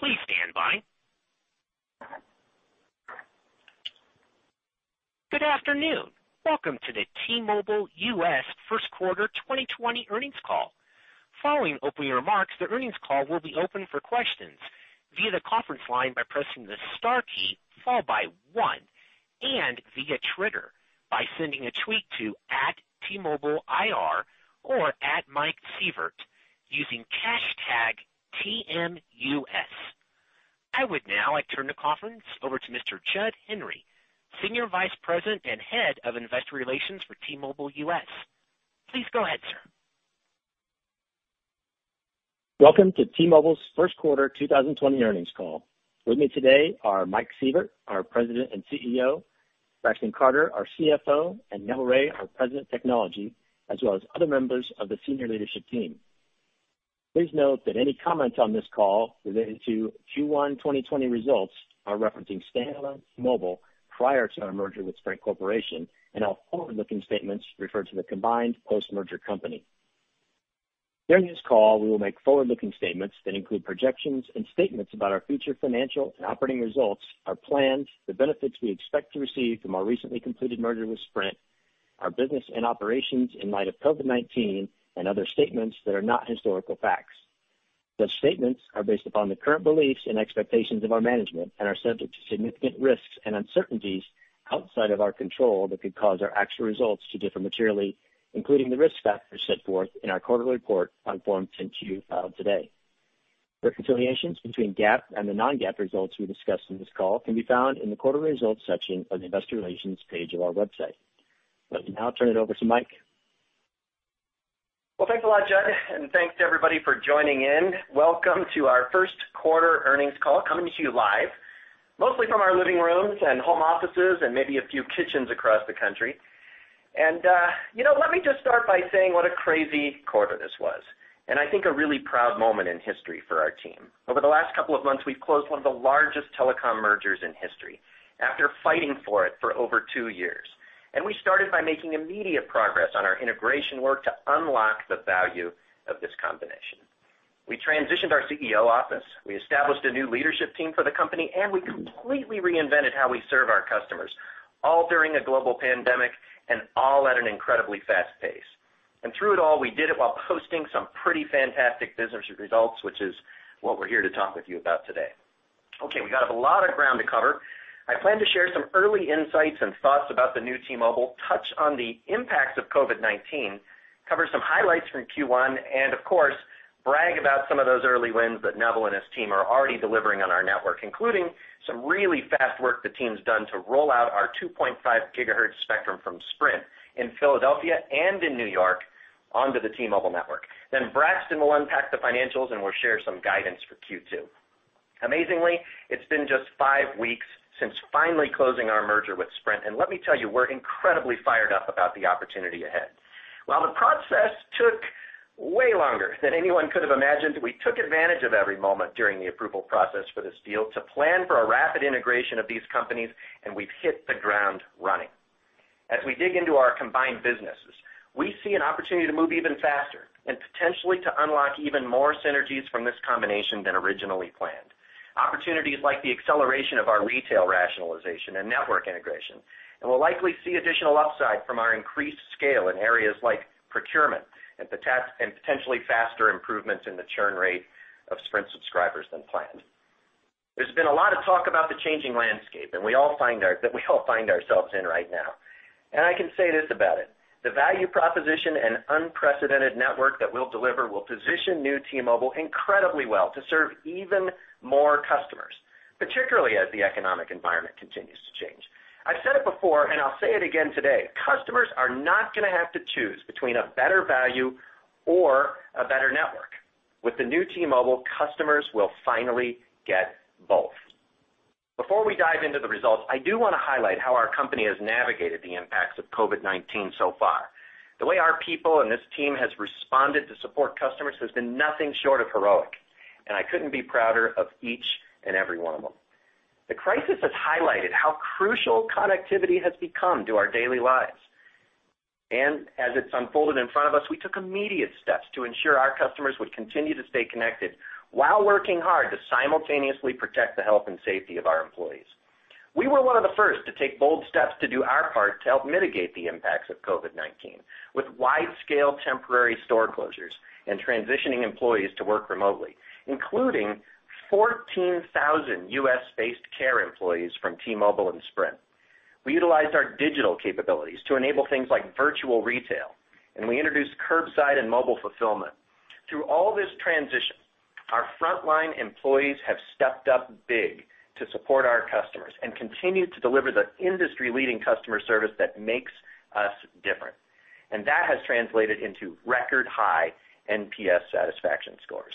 Please stand by. Good afternoon. Welcome to the T-Mobile US First Quarter 2020 Earnings Call. Following opening remarks, the earnings call will be open for questions via the conference line by pressing the star key followed by one, and via Twitter by sending a tweet to @TMobileIR or @MikeSievert using hashtag TMUS. I would now like to turn the conference over to Mr. Jud Henry, Senior Vice President and Head of Investor Relations for T-Mobile US. Please go ahead, sir. Welcome to T-Mobile's first quarter 2020 earnings call. With me today are Mike Sievert, our President and CEO, Braxton Carter, our CFO, and Neville Ray, our President of Technology, as well as other members of the senior leadership team. Please note that any comments on this call related to Q1 2020 results are referencing standalone T-Mobile prior to our merger with Sprint Corporation, and all forward-looking statements refer to the combined post-merger company. During this call, we will make forward-looking statements that include projections and statements about our future financial and operating results, our plans, the benefits we expect to receive from our recently completed merger with Sprint, our business and operations in light of COVID-19, and other statements that are not historical facts. Such statements are based upon the current beliefs and expectations of our management and are subject to significant risks and uncertainties outside of our control that could cause our actual results to differ materially, including the risk factors set forth in our quarterly report on Form 10-Q filed today. Reconciliations between GAAP and the non-GAAP results we discussed in this call can be found in the quarterly results section of the investor relations page of our website. Let me now turn it over to Mike. Well, thanks a lot, Jud, and thanks to everybody for joining in. Welcome to our first quarter earnings call, coming to you live mostly from our living rooms and home offices and maybe a few kitchens across the country. Let me just start by saying what a crazy quarter this was, and I think a really proud moment in history for our team. Over the last couple of months, we've closed one of the largest telecom mergers in history after fighting for it for over two years. We started by making immediate progress on our integration work to unlock the value of this combination. We transitioned our CEO office, we established a new leadership team for the company, and we completely reinvented how we serve our customers, all during a global pandemic and all at an incredibly fast pace. Through it all, we did it while posting some pretty fantastic business results, which is what we're here to talk with you about today. We got a lot of ground to cover. I plan to share some early insights and thoughts about the new T-Mobile, touch on the impacts of COVID-19, cover some highlights from Q1, and of course, brag about some of those early wins that Neville and his team are already delivering on our network, including some really fast work the team's done to roll out our 2.5 GHz spectrum from Sprint in Philadelphia and in New York onto the T-Mobile network. Braxton will unpack the financials, and we'll share some guidance for Q2. Amazingly, it's been just five weeks since finally closing our merger with Sprint. Let me tell you, we're incredibly fired up about the opportunity ahead. While the process took way longer than anyone could have imagined, we took advantage of every moment during the approval process for this deal to plan for a rapid integration of these companies, and we've hit the ground running. As we dig into our combined businesses, we see an opportunity to move even faster and potentially to unlock even more synergies from this combination than originally planned. Opportunities like the acceleration of our retail rationalization and network integration. We'll likely see additional upside from our increased scale in areas like procurement and potentially faster improvements in the churn rate of Sprint subscribers than planned. There's been a lot of talk about the changing landscape that we all find ourselves in right now. I can say this about it, the value proposition and unprecedented network that we'll deliver will position new T-Mobile incredibly well to serve even more customers, particularly as the economic environment continues to change. I've said it before, and I'll say it again today, customers are not going to have to choose between a better value or a better network. With the new T-Mobile, customers will finally get both. Before we dive into the results, I do want to highlight how our company has navigated the impacts of COVID-19 so far. The way our people and this team has responded to support customers has been nothing short of heroic, and I couldn't be prouder of each and every one of them. The crisis has highlighted how crucial connectivity has become to our daily lives. As it's unfolded in front of us, we took immediate steps to ensure our customers would continue to stay connected while working hard to simultaneously protect the health and safety of our employees. We were one of the first to take bold steps to do our part to help mitigate the impacts of COVID-19 with wide-scale temporary store closures and transitioning employees to work remotely, including 14,000 U.S.-based care employees from T-Mobile and Sprint. We utilized our digital capabilities to enable things like virtual retail, and we introduced curbside and mobile fulfillment. Through all this transition, our frontline employees have stepped up big to support our customers and continued to deliver the industry-leading customer service that makes us different. That has translated into record-high NPS satisfaction scores.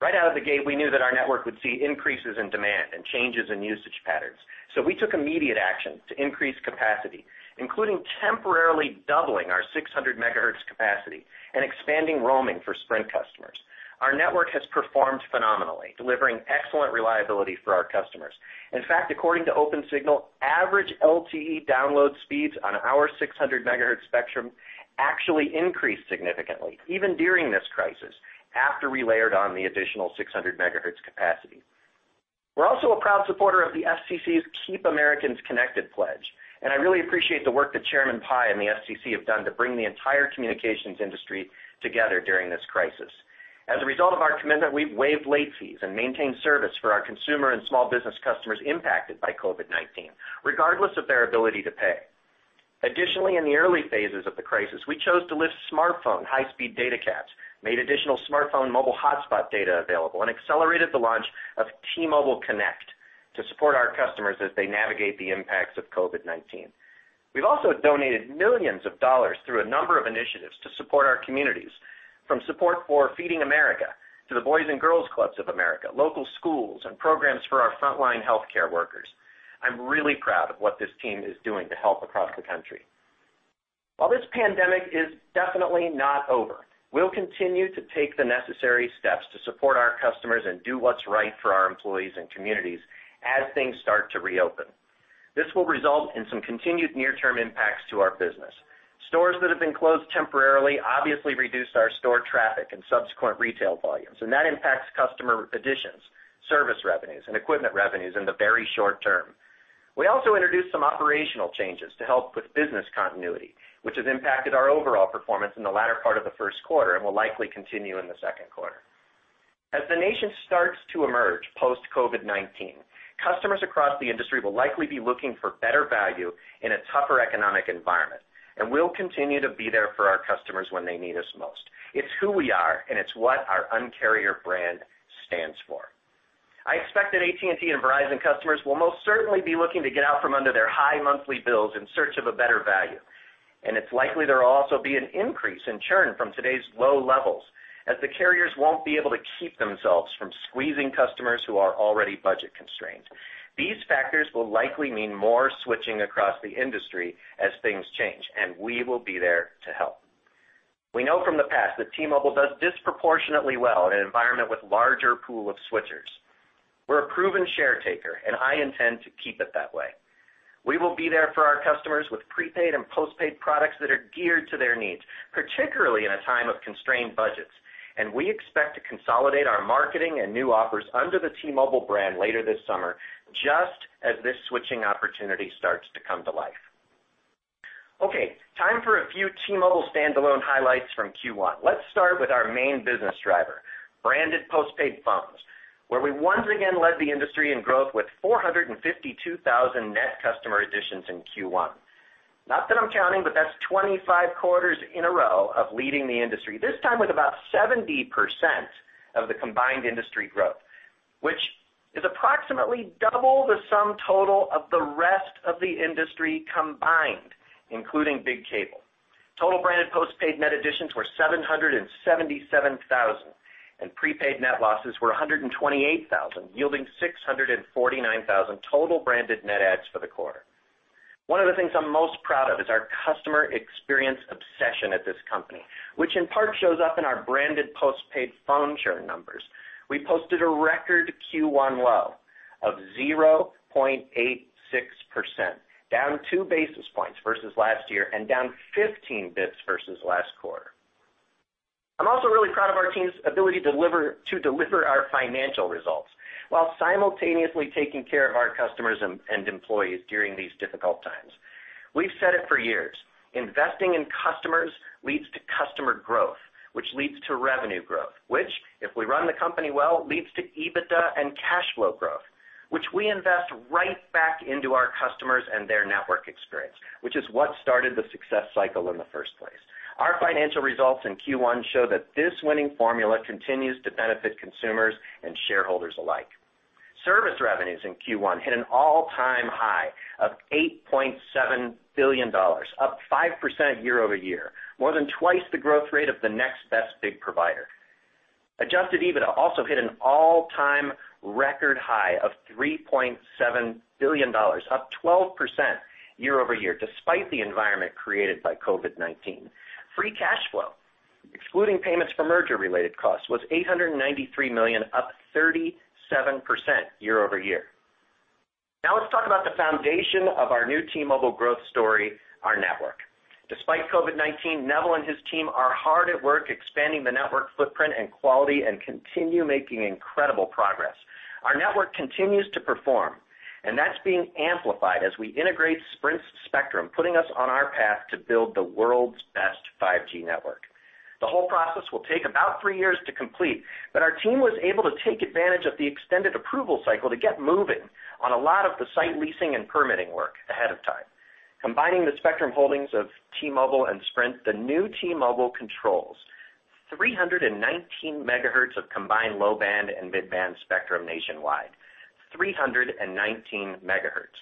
Right out of the gate, we knew that our network would see increases in demand and changes in usage patterns. We took immediate action to increase capacity, including temporarily doubling our 600 MHz capacity and expanding roaming for Sprint customers. Our network has performed phenomenally, delivering excellent reliability for our customers. In fact, according to Opensignal, average LTE download speeds on our 600 MHz spectrum actually increased significantly, even during this crisis, after we layered on the additional 600 MHz capacity. We're also a proud supporter of the FCC's Keep Americans Connected pledge, and I really appreciate the work that Chairman Pai and the FCC have done to bring the entire communications industry together during this crisis. As a result of our commitment, we've waived late fees and maintained service for our consumer and small business customers impacted by COVID-19, regardless of their ability to pay. Additionally, in the early phases of the crisis, we chose to lift smartphone high-speed data caps, made additional smartphone mobile hotspot data available, and accelerated the launch of T-Mobile Connect to support our customers as they navigate the impacts of COVID-19. We've also donated millions of dollars through a number of initiatives to support our communities, from support for Feeding America to the Boys & Girls Clubs of America, local schools, and programs for our frontline healthcare workers. I'm really proud of what this team is doing to help across the country. While this pandemic is definitely not over, we'll continue to take the necessary steps to support our customers and do what's right for our employees and communities as things start to reopen. This will result in some continued near-term impacts to our business. Stores that have been closed temporarily obviously reduced our store traffic and subsequent retail volumes. That impacts customer additions, service revenues, and equipment revenues in the very short term. We also introduced some operational changes to help with business continuity, which has impacted our overall performance in the latter part of the first quarter and will likely continue in the second quarter. As the nation starts to emerge post-COVID-19, customers across the industry will likely be looking for better value in a tougher economic environment. We'll continue to be there for our customers when they need us most. It's who we are. It's what our Un-carrier brand stands for. I expect that AT&T and Verizon customers will most certainly be looking to get out from under their high monthly bills in search of a better value. It's likely there will also be an increase in churn from today's low levels as the carriers won't be able to keep themselves from squeezing customers who are already budget-constrained. These factors will likely mean more switching across the industry as things change, and we will be there to help. We know from the past that T-Mobile does disproportionately well in an environment with larger pool of switchers. We're a proven share taker, and I intend to keep it that way. We will be there for our customers with prepaid and postpaid products that are geared to their needs, particularly in a time of constrained budgets. We expect to consolidate our marketing and new offers under the T-Mobile brand later this summer, just as this switching opportunity starts to come to life. Okay, time for a few T-Mobile standalone highlights from Q1. Let's start with our main business driver, branded postpaid phones, where we once again led the industry in growth with 452,000 net customer additions in Q1. Not that I'm counting, but that's 25 quarters in a row of leading the industry, this time with about 70% of the combined industry growth, which is approximately double the sum total of the rest of the industry combined, including big cable. Total branded postpaid net additions were 777,000, and prepaid net losses were 128,000, yielding 649,000 total branded net adds for the quarter. One of the things I'm most proud of is our customer experience obsession at this company, which in part shows up in our branded postpaid phone churn numbers. We posted a record Q1 low of 0.86%, down two basis points versus last year and down 15 basis points versus last quarter. I'm also really proud of our team's ability to deliver our financial results while simultaneously taking care of our customers and employees during these difficult times. We've said it for years, investing in customers leads to customer growth, which leads to revenue growth, which, if we run the company well, leads to EBITDA and cash flow growth, which we invest right back into our customers and their network experience, which is what started the success cycle in the first place. Our financial results in Q1 show that this winning formula continues to benefit consumers and shareholders alike. Service revenues in Q1 hit an all-time high of $8.7 billion, up 5% year-over-year, more than twice the growth rate of the next best big provider. Adjusted EBITDA also hit an all-time record high of $3.7 billion, up 12% year-over-year, despite the environment created by COVID-19. Free cash flow, excluding payments for merger-related costs, was $893 million, up 37% year-over-year. Let's talk about the foundation of our new T-Mobile growth story, our network. Despite COVID-19, Neville and his team are hard at work expanding the network footprint and quality and continue making incredible progress. Our network continues to perform, and that's being amplified as we integrate Sprint's spectrum, putting us on our path to build the world's best 5G network. The whole process will take about three years to complete, but our team was able to take advantage of the extended approval cycle to get moving on a lot of the site leasing and permitting work ahead of time. Combining the spectrum holdings of T-Mobile and Sprint, the new T-Mobile controls 319 MHz of combined low-band and mid-band spectrum nationwide, 319 MHz.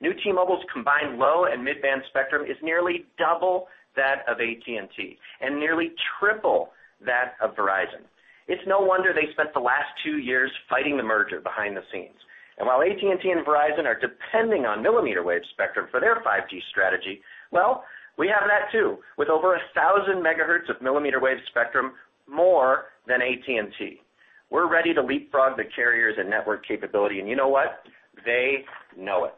New T-Mobile's combined low and mid-band spectrum is nearly double that of AT&T and nearly triple that of Verizon. It's no wonder they spent the last two years fighting the merger behind the scenes. While AT&T and Verizon are depending on millimeter wave spectrum for their 5G strategy, well, we have that too, with over 1,000 MHz of millimeter wave spectrum, more than AT&T. We're ready to leapfrog the carriers and network capability. You know what? They know it.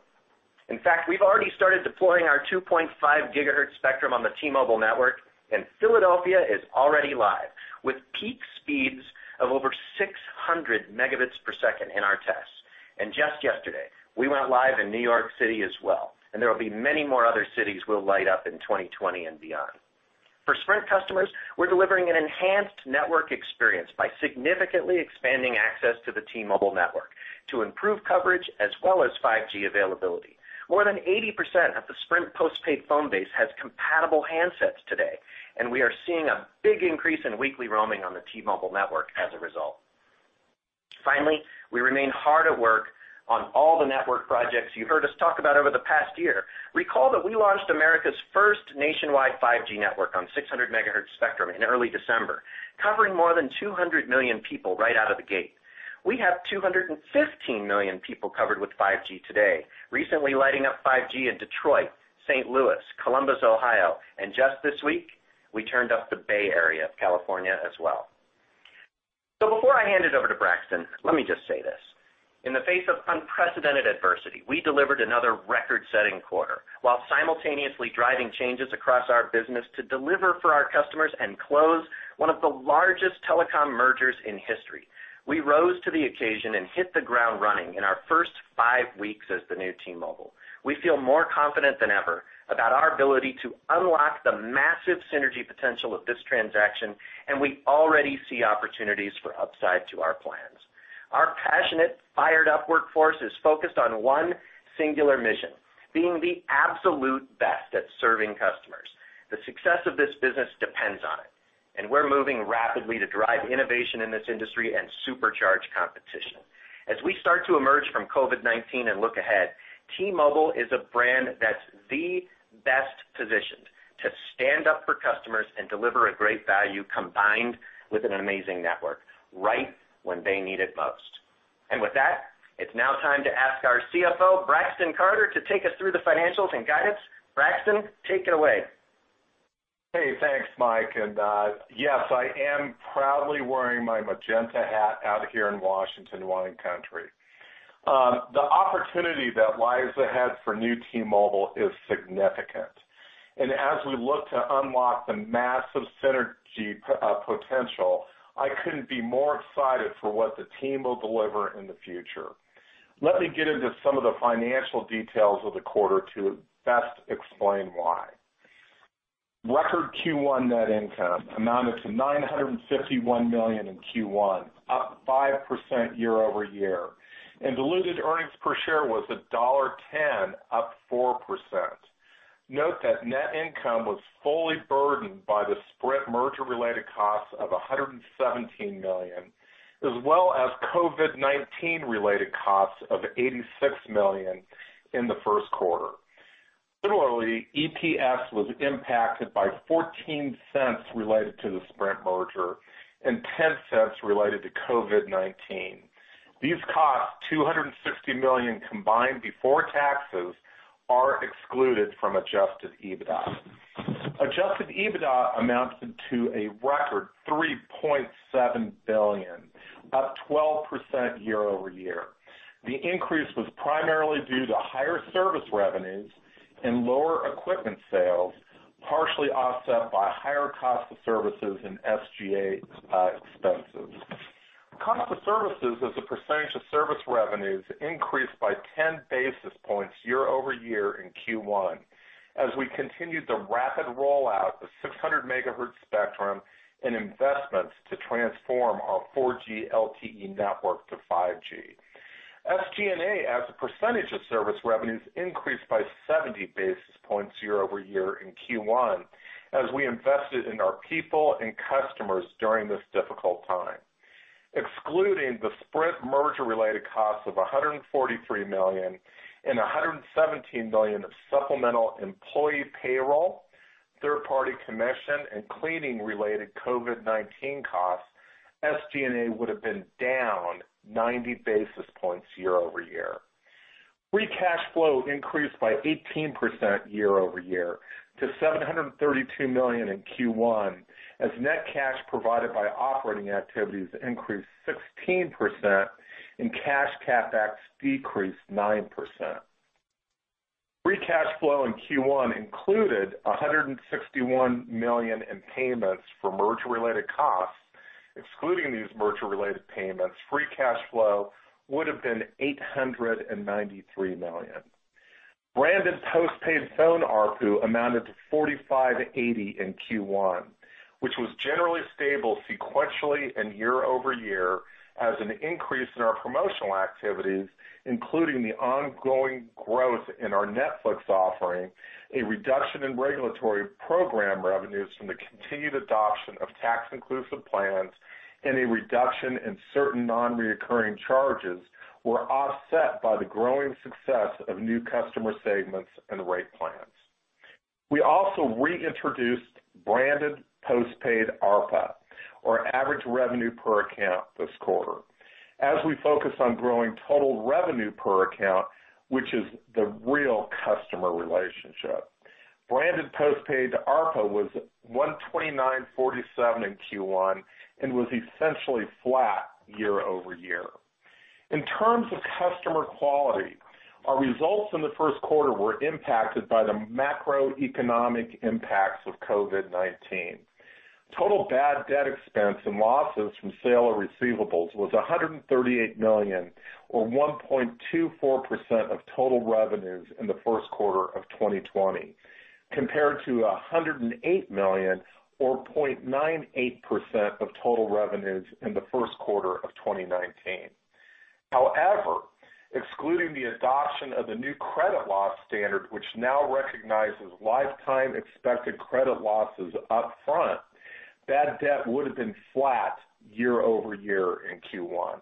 In fact, we've already started deploying our 2.5 GHz spectrum on the T-Mobile network, and Philadelphia is already live with peak speeds of over 600 Mbps in our tests. Just yesterday, we went live in New York City as well, and there will be many more other cities we'll light up in 2020 and beyond. For Sprint customers, we're delivering an enhanced network experience by significantly expanding access to the T-Mobile network to improve coverage as well as 5G availability. More than 80% of the Sprint postpaid phone base has compatible handsets today, and we are seeing a big increase in weekly roaming on the T-Mobile network as a result. Finally, we remain hard at work on all the network projects you heard us talk about over the past year. Recall that we launched America's first nationwide 5G network on 600 MHz spectrum in early December, covering more than 200 million people right out of the gate. We have 215 million people covered with 5G today, recently lighting up 5G in Detroit, St. Louis, Columbus, Ohio, and just this week, we turned up the Bay Area of California as well. Before I hand it over to Braxton, let me just say this. In the face of unprecedented adversity, we delivered another record-setting quarter while simultaneously driving changes across our business to deliver for our customers and close one of the largest telecom mergers in history. We rose to the occasion and hit the ground running in our first five weeks as the new T-Mobile. We feel more confident than ever about our ability to unlock the massive synergy potential of this transaction. We already see opportunities for upside to our plans. Our passionate, fired-up workforce is focused on one singular mission, being the absolute best at serving customers. The success of this business depends on it. We're moving rapidly to drive innovation in this industry and supercharge competition. As we start to emerge from COVID-19 and look ahead, T-Mobile is a brand that's the best positioned to stand up for customers and deliver a great value combined with an amazing network, right when they need it most. With that, it's now time to ask our CFO, Braxton Carter, to take us through the financials and guide us. Braxton, take it away. Hey, thanks, Mike. Yes, I am proudly wearing my magenta hat out here in Washington wine country. The opportunity that lies ahead for new T-Mobile is significant. As we look to unlock the massive synergy potential, I couldn't be more excited for what the team will deliver in the future. Let me get into some of the financial details of the quarter to best explain why. Record Q1 net income amounted to $951 million in Q1, up 5% year-over-year, diluted earnings per share was $1.10, up 4%. Note that net income was fully burdened by the Sprint merger-related costs of $117 million, as well as COVID-19-related costs of $86 million in the first quarter. Similarly, EPS was impacted by $0.14 related to the Sprint merger and $0.10 related to COVID-19. These costs, $260 million combined before taxes, are excluded from adjusted EBITDA. Adjusted EBITDA amounted to a record $3.7 billion, up 12% year-over-year. The increase was primarily due to higher service revenues and lower equipment sales, partially offset by higher cost of services and SG&A expenses. Cost of services as a percentage of service revenues increased by 10 basis points year-over-year in Q1 as we continued the rapid rollout of 600 MHz spectrum and investments to transform our 4G LTE network to 5G. SG&A as a percentage of service revenues increased by 70 basis points year-over-year in Q1 as we invested in our people and customers during this difficult time. Excluding the Sprint merger-related costs of $143 million and $117 million of supplemental employee payroll, third-party commission, and cleaning-related COVID-19 costs, SG&A would have been down 90 basis points year-over-year. Free cash flow increased by 18% year-over-year to $732 million in Q1, as net cash provided by operating activities increased 16% and cash CapEx decreased 9%. Free cash flow in Q1 included $161 million in payments for merger-related costs. Excluding these merger-related payments, free cash flow would've been $893 million. Branded postpaid phone ARPU amounted to $45.80 in Q1, which was generally stable sequentially and year-over-year as an increase in our promotional activities, including the ongoing growth in our Netflix offering, a reduction in regulatory program revenues from the continued adoption of tax-inclusive plans, and a reduction in certain non-reoccurring charges were offset by the growing success of new customer segments and rate plans. We also reintroduced branded postpaid ARPA, or average revenue per account, this quarter as we focus on growing total revenue per account, which is the real customer relationship. Branded postpaid ARPA was $129.47 in Q1 and was essentially flat year-over-year. In terms of customer quality, our results in the first quarter were impacted by the macroeconomic impacts of COVID-19. Total bad debt expense and losses from sale of receivables was $138 million or 1.24% of total revenues in the first quarter of 2020, compared to $108 million or 0.98% of total revenues in the first quarter of 2019. However, excluding the adoption of the new credit loss standard, which now recognizes lifetime expected credit losses upfront, bad debt would have been flat year-over-year in Q1.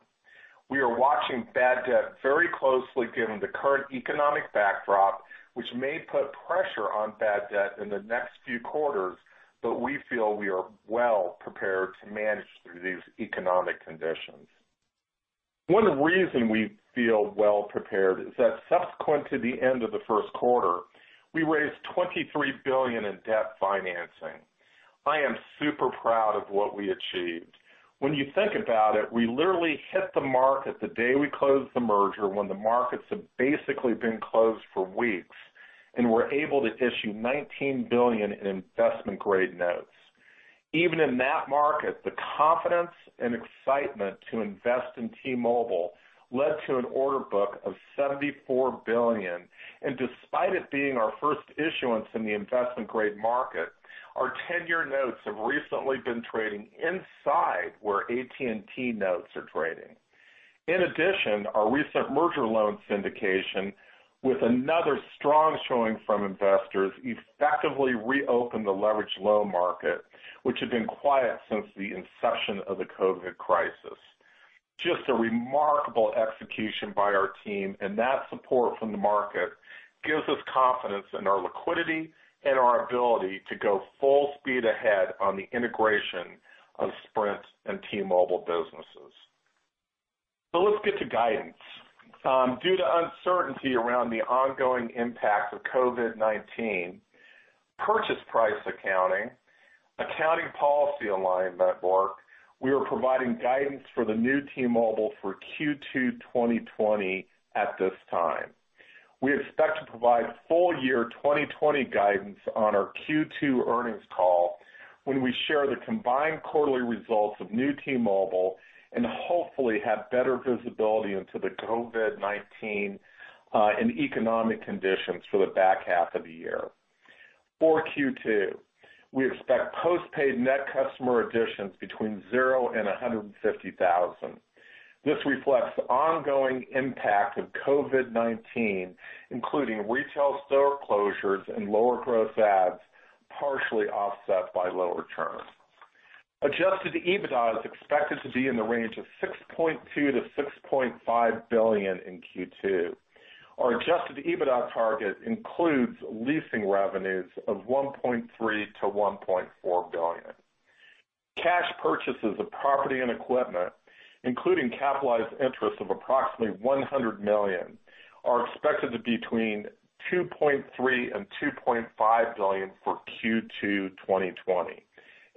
We are watching bad debt very closely given the current economic backdrop, which may put pressure on bad debt in the next few quarters, but we feel we are well prepared to manage through these economic conditions. One reason we feel well-prepared is that subsequent to the end of the first quarter, we raised $23 billion in debt financing. I am super proud of what we achieved. When you think about it, we literally hit the market the day we closed the merger, when the markets have basically been closed for weeks, and were able to issue $19 billion in investment-grade notes. Even in that market, the confidence and excitement to invest in T-Mobile led to an order book of $74 billion, and despite it being our first issuance in the investment-grade market, our tenure notes have recently been trading inside where AT&T notes are trading. Our recent merger loan syndication with another strong showing from investors effectively reopened the leveraged loan market, which had been quiet since the inception of the COVID-19. Just a remarkable execution by our team. That support from the market gives us confidence in our liquidity and our ability to go full speed ahead on the integration of Sprint and T-Mobile businesses. Let's get to guidance. Due to uncertainty around the ongoing impact of COVID-19, purchase price accounting policy alignment work, we are providing guidance for the new T-Mobile for Q2 2020 at this time. We expect to provide full year 2020 guidance on our Q2 earnings call when we share the combined quarterly results of new T-Mobile and hopefully have better visibility into the COVID-19 and economic conditions for the back half of the year. For Q2, we expect postpaid net customer additions between zero and 150,000. This reflects the ongoing impact of COVID-19, including retail store closures and lower gross adds, partially offset by lower churn. Adjusted EBITDA is expected to be in the range of $6.2 billion-$6.5 billion in Q2. Our adjusted EBITDA target includes leasing revenues of $1.3 billion-$1.4 billion. Cash purchases of property and equipment, including capitalized interest of approximately $100 million, are expected to be between $2.3 billion and $2.5 billion for Q2 2020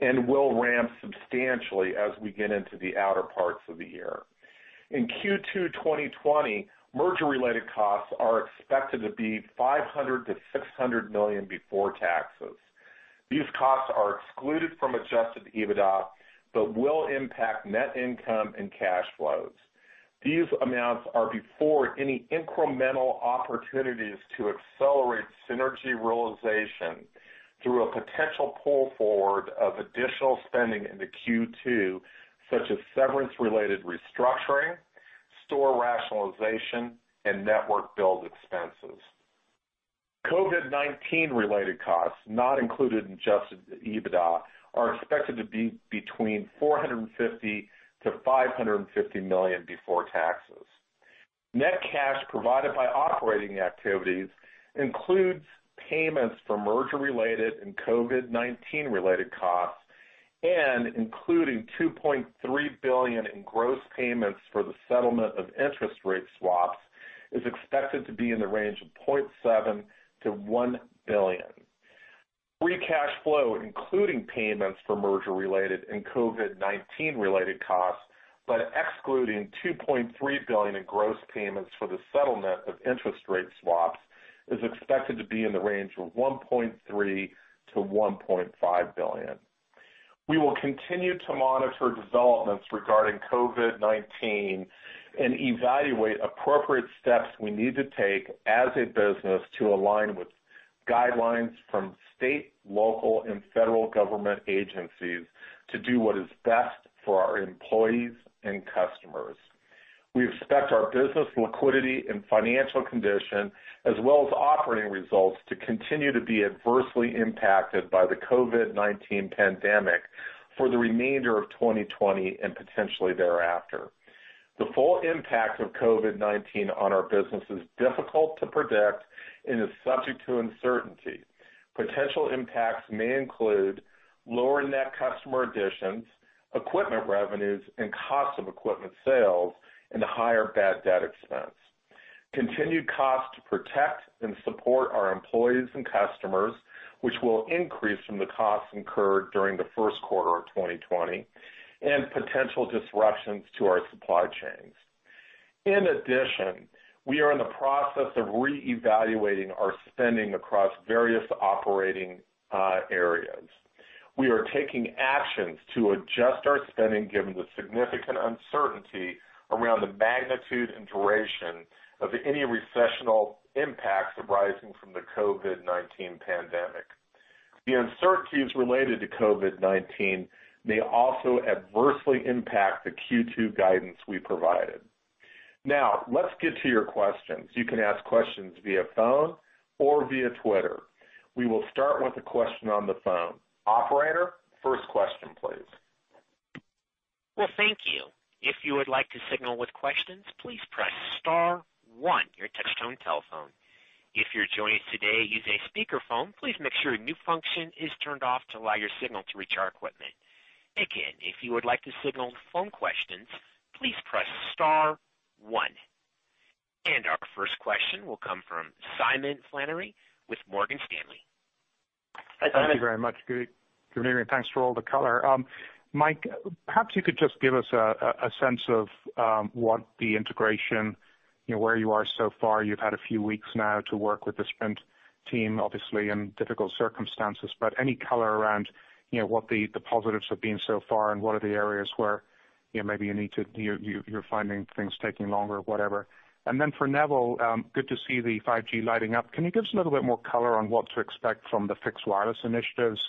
and will ramp substantially as we get into the outer parts of the year. In Q2 2020, merger-related costs are expected to be $500 million-$600 million before taxes. These costs are excluded from adjusted EBITDA but will impact net income and cash flows. These amounts are before any incremental opportunities to accelerate synergy realization through a potential pull forward of additional spending into Q2, such as severance-related restructuring, store rationalization, and network build expenses. COVID-19-related costs, not included in adjusted EBITDA, are expected to be between $450 million-$550 million before taxes. Net cash provided by operating activities includes payments for merger-related and COVID-19-related costs and including $2.3 billion in gross payments for the settlement of interest rate swaps is expected to be in the range of $0.7 billion-$1 billion. Free cash flow, including payments for merger-related and COVID-19-related costs, but excluding $2.3 billion in gross payments for the settlement of interest rate swaps, is expected to be in the range of $1.3 billion-$1.5 billion. We will continue to monitor developments regarding COVID-19 and evaluate appropriate steps we need to take as a business to align with guidelines from state, local, and federal government agencies to do what is best for our employees and customers. We expect our business liquidity and financial condition, as well as operating results, to continue to be adversely impacted by the COVID-19 pandemic for the remainder of 2020 and potentially thereafter. The full impact of COVID-19 on our business is difficult to predict and is subject to uncertainty. Potential impacts may include lower net customer additions, equipment revenues, and cost of equipment sales, and higher bad debt expense. Continued cost to protect and support our employees and customers, which will increase from the costs incurred during the first quarter of 2020, and potential disruptions to our supply chains. In addition, we are in the process of re-evaluating our spending across various operating areas. We are taking actions to adjust our spending given the significant uncertainty around the magnitude and duration of any recessional impacts arising from the COVID-19 pandemic. The uncertainties related to COVID-19 may also adversely impact the Q2 guidance we provided. Let's get to your questions. You can ask questions via phone or via Twitter. We will start with a question on the phone. Operator, first question, please. Thank you. If you would like to signal with questions, please press star one on your touch-tone telephone. If you're joining us today using a speakerphone, please make sure mute function is turned off to allow your signal to reach our equipment. Again, if you would like to signal phone questions, please press star one. Our first question will come from Simon Flannery with Morgan Stanley. Thank you very much. Good evening, and thanks for all the color. Mike, perhaps you could just give us a sense of what the integration, where you are so far. You've had a few weeks now to work with the Sprint team, obviously in difficult circumstances, but any color around what the positives have been so far and what are the areas where maybe you're finding things taking longer or whatever? For Neville, good to see the 5G lighting up. Can you give us a little bit more color on what to expect from the fixed wireless initiatives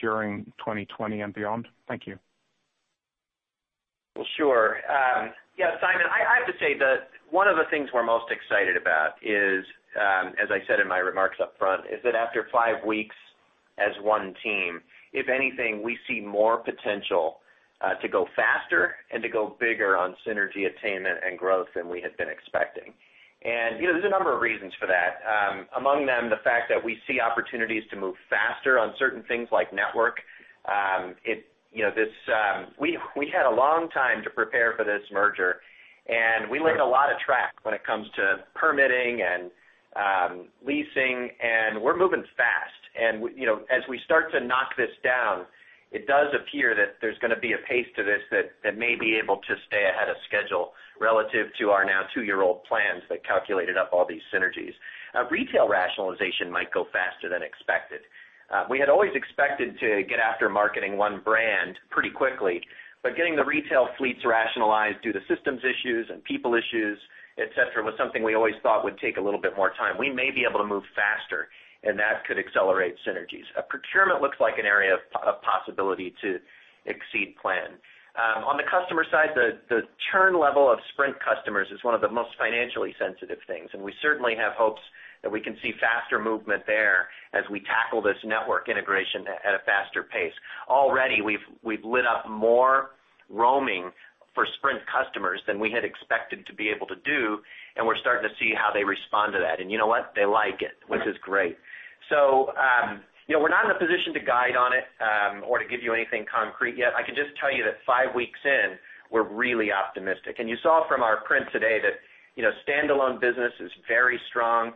during 2020 and beyond? Thank you. Well, sure. Yeah, Simon, I have to say that one of the things we're most excited about is, as I said in my remarks up front, is that after five weeks as one team, if anything, we see more potential to go faster and to go bigger on synergy attainment and growth than we had been expecting. There's a number of reasons for that. Among them, the fact that we see opportunities to move faster on certain things like network. We had a long time to prepare for this merger, and we laid a lot of track when it comes to permitting and leasing, and we're moving fast. As we start to knock this down, it does appear that there's going to be a pace to this that may be able to stay ahead of schedule relative to our now two-year-old plans that calculated up all these synergies. Retail rationalization might go faster than expected. We had always expected to get after marketing one brand pretty quickly, but getting the retail fleets rationalized due to systems issues and people issues, et cetera, was something we always thought would take a little bit more time. We may be able to move faster, and that could accelerate synergies. Procurement looks like an area of possibility to exceed plan. On the customer side, the churn level of Sprint customers is one of the most financially sensitive things, and we certainly have hopes that we can see faster movement there as we tackle this network integration at a faster pace. Already, we've lit up more roaming for Sprint customers than we had expected to be able to do, and we're starting to see how they respond to that. You know what? They like it, which is great. We're not in a position to guide on it or to give you anything concrete yet. I can just tell you that five weeks in, we're really optimistic. You saw from our print today that standalone business is very strong.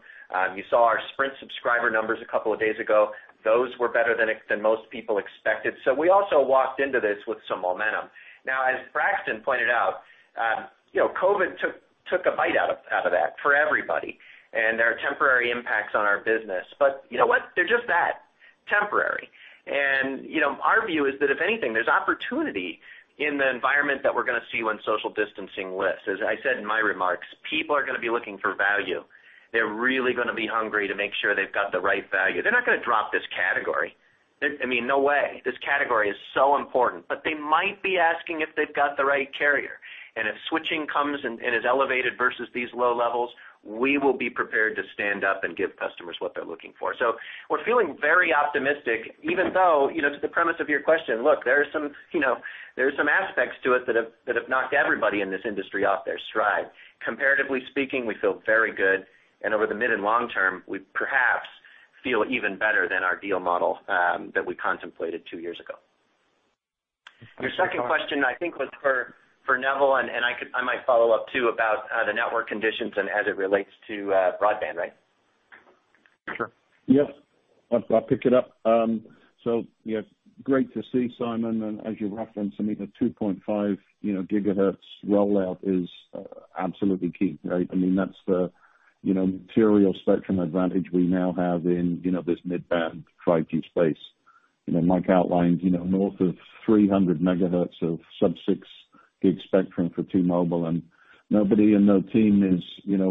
You saw our Sprint subscriber numbers a couple of days ago. Those were better than most people expected. We also walked into this with some momentum. Now, as Braxton pointed out, COVID took a bite out of that for everybody, and there are temporary impacts on our business. You know what? They're just that, temporary. Our view is that if anything, there's opportunity in the environment that we're going to see when social distancing lifts. As I said in my remarks, people are going to be looking for value. They're really going to be hungry to make sure they've got the right value. They're not going to drop this category. No way. This category is so important. They might be asking if they've got the right carrier, and if switching comes and is elevated versus these low levels, we will be prepared to stand up and give customers what they're looking for. We're feeling very optimistic, even though to the premise of your question, look, there's some aspects to it that have knocked everybody in this industry off their stride. Comparatively speaking, we feel very good. Over the mid and long term, we perhaps feel even better than our deal model that we contemplated two years ago. Your second question, I think, was for Neville, and I might follow up too about the network conditions and as it relates to broadband, right? Sure. Yes. I'll pick it up. Great to see you, Simon. As you referenced, the 2.5 GHz rollout is absolutely key, right? That's the material spectrum advantage we now have in this mid-band 5G space. Mike outlined north of 300 MHz of sub-6 GHz spectrum for T-Mobile, and nobody in the team is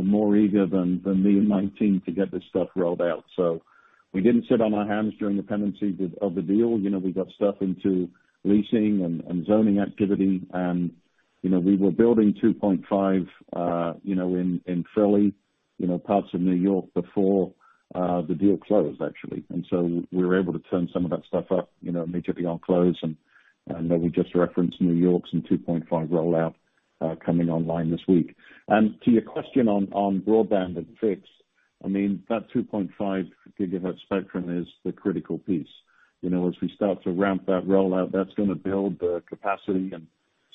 more eager than me and my team to get this stuff rolled out. We didn't sit on our hands during the pendency of the deal. We got stuff into leasing and zoning activity, and we were building 2.5 GHz in Philly, parts of New York before the deal closed, actually. We were able to turn some of that stuff up immediately on close, and that we just referenced New York's 2.5 rollout coming online this week. To your question on broadband and fixed, that 2.5 GHz spectrum is the critical piece As we start to ramp that rollout, that's going to build the capacity and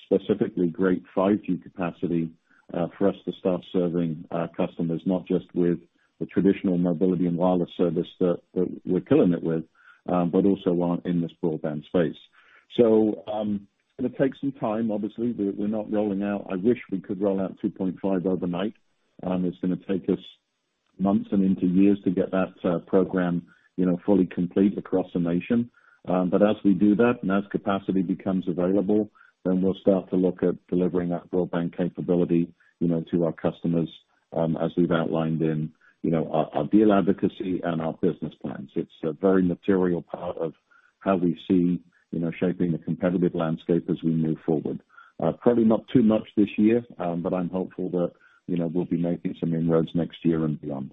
specifically great 5G capacity, for us to start serving our customers, not just with the traditional mobility and wireless service that we're killing it with, but also on in this broadband space. It's going to take some time, obviously. We're not rolling out-- I wish we could roll out 2.5 overnight. It's going to take us months and into years to get that program fully complete across the nation. As we do that, and as capacity becomes available, then we'll start to look at delivering that broadband capability to our customers, as we've outlined in our deal advocacy and our business plans. It's a very material part of how we see shaping the competitive landscape as we move forward. Probably not too much this year, but I'm hopeful that we'll be making some inroads next year and beyond.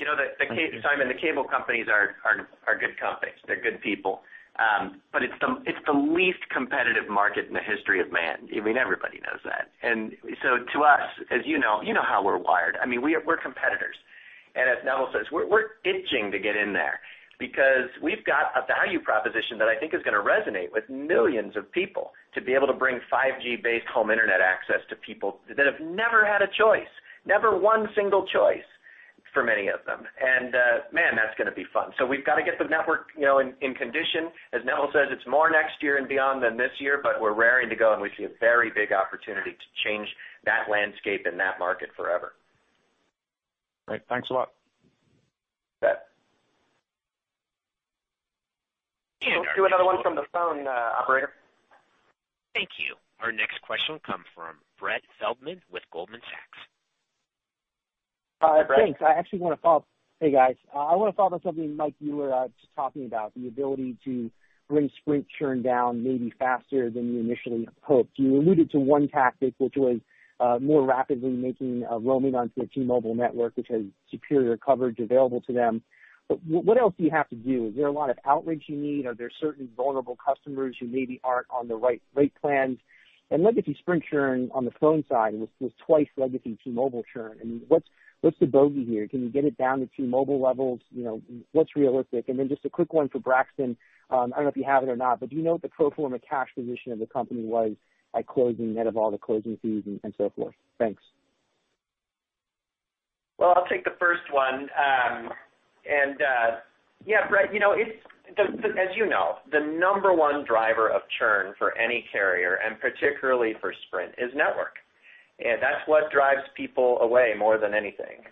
Simon, the cable companies are good companies. They're good people. It's the least competitive market in the history of man. Everybody knows that. To us, as you know, you know how we're wired. We're competitors. As Neville says, we're itching to get in there because we've got a value proposition that I think is going to resonate with millions of people to be able to bring 5G-based home internet access to people that have never had a choice, never one single choice for many of them. Man, that's going to be fun. We've got to get the network in condition. As Neville says, it's more next year and beyond than this year, but we're raring to go, and we see a very big opportunity to change that landscape and that market forever. Great. Thanks a lot. You bet. And our- Let's do another one from the phone, operator. Thank you. Our next question will come from Brett Feldman with Goldman Sachs. Brett? Thanks. Hey, guys. I want to follow up on something, Mike, you were just talking about, the ability to bring Sprint churn down maybe faster than you initially hoped. You alluded to one tactic, which was more rapidly making roaming onto a T-Mobile network, which has superior coverage available to them. What else do you have to do? Is there a lot of outreach you need? Are there certain vulnerable customers who maybe aren't on the right rate plans? Legacy Sprint churn on the phone side was twice legacy T-Mobile churn. What's the bogey here? Can you get it down to T-Mobile levels? What's realistic? Just a quick one for Braxton. I don't know if you have it or not, but do you know what the pro forma cash position of the company was at closing net of all the closing fees and so forth? Thanks. I'll take the first one. Yeah, Brett, as you know, the number one driver of churn for any carrier, and particularly for Sprint, is network. That's what drives people away more than anything.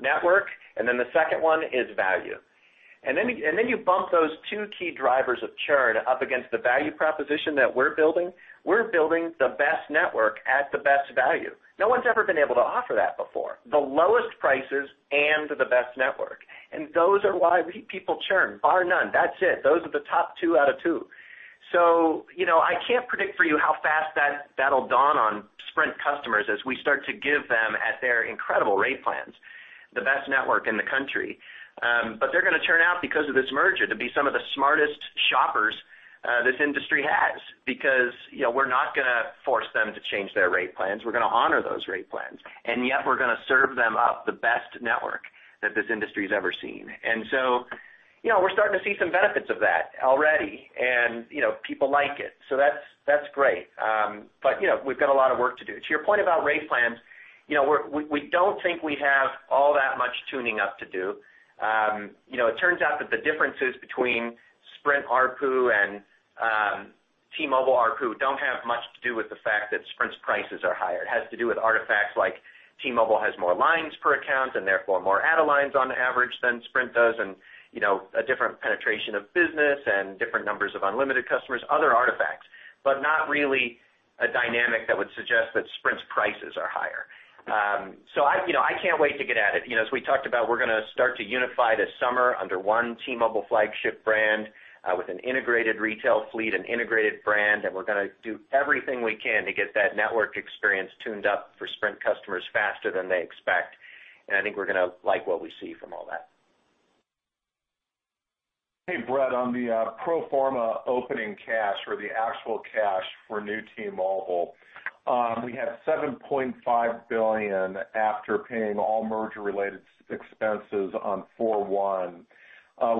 Network, and then the second one is value. Then you bump those two key drivers of churn up against the value proposition that we're building. We're building the best network at the best value. No one's ever been able to offer that before. The lowest prices and the best network. Those are why people churn bar none. That's it. Those are the top two out of two. I can't predict for you how fast that'll dawn on Sprint customers as we start to give them at their incredible rate plans, the best network in the country. They're going to churn out because of this merger to be some of the smartest shoppers this industry has, because we're not going to force them to change their rate plans. We're going to honor those rate plans, and yet we're going to serve them up the best network that this industry's ever seen. We're starting to see some benefits of that already, and people like it. That's great. We've got a lot of work to do. To your point about rate plans, we don't think we have all that much tuning up to do. It turns out that the differences between Sprint ARPU and T-Mobile ARPU don't have much to do with the fact that Sprint's prices are higher. It has to do with artifacts like T-Mobile has more lines per account and therefore more add a lines on average than Sprint does, and a different penetration of business and different numbers of unlimited customers, other artifacts. Not really a dynamic that would suggest that Sprint's prices are higher. I can't wait to get at it. As we talked about, we're going to start to unify this summer under one T-Mobile flagship brand, with an integrated retail fleet and integrated brand, and we're going to do everything we can to get that network experience tuned up for Sprint customers faster than they expect. I think we're going to like what we see from all that. Hey, Brett, on the pro forma opening cash or the actual cash for new T-Mobile. We have $7.5 billion after paying all merger-related expenses on 4/1.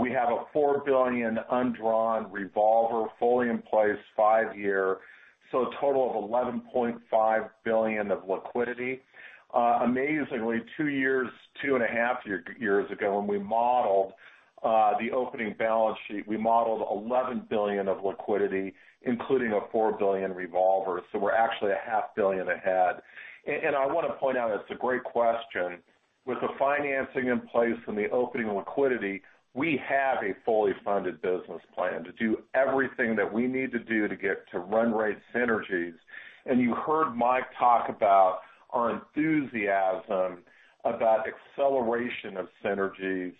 We have a $4 billion undrawn revolver fully in place, five-year, a total of $11.5 billion of liquidity. Amazingly, two and a half years ago, when we modeled the opening balance sheet, we modeled $11 billion of liquidity, including a $4 billion revolver. We're actually $0.5 Billion ahead. I want to point out, it's a great question. With the financing in place and the opening liquidity, we have a fully funded business plan to do everything that we need to do to get to run rate synergies. You heard Mike talk about our enthusiasm about acceleration of synergies,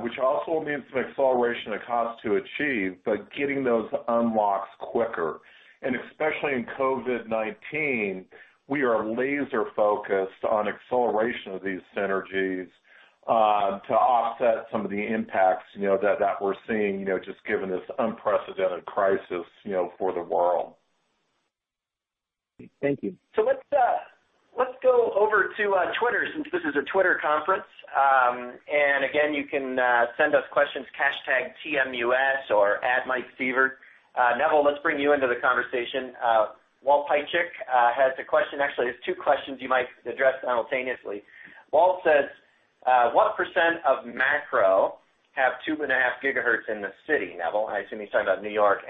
which also means some acceleration of cost to achieve, but getting those unlocks quicker. Especially in COVID-19, we are laser-focused on acceleration of these synergies, to offset some of the impacts that we're seeing, just given this unprecedented crisis for the world. Thank you. Let's go over to Twitter since this is a Twitter conference. Again, you can send us questions, #TMUS or @MikeSievert. Neville, let's bring you into the conversation. Walt Piecyk has a question. There's two questions you might address simultaneously. Walt says, "What % of macro have 2.5 GHz in the city?" Neville, I assume he's talking about New York.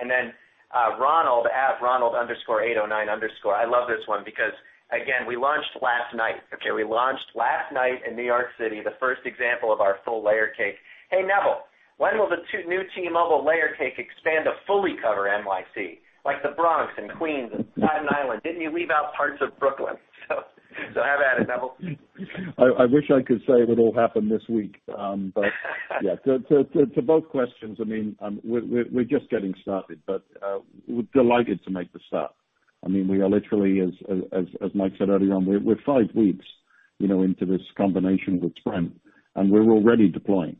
Ronald, @Ronald_809_. I love this one because, again, we launched last night. Okay. We launched last night in New York City, the first example of our full layer cake. Hey, Neville, when will the new T-Mobile layer cake expand to fully cover NYC, like the Bronx and Queens and Staten Island? Didn't you leave out parts of Brooklyn? Have at it, Neville. I wish I could say it'll all happen this week. Yeah, to both questions, we're just getting started, but, we're delighted to make the start. We are literally, as Mike said earlier on, we're five weeks into this combination with Sprint, and we're already deploying.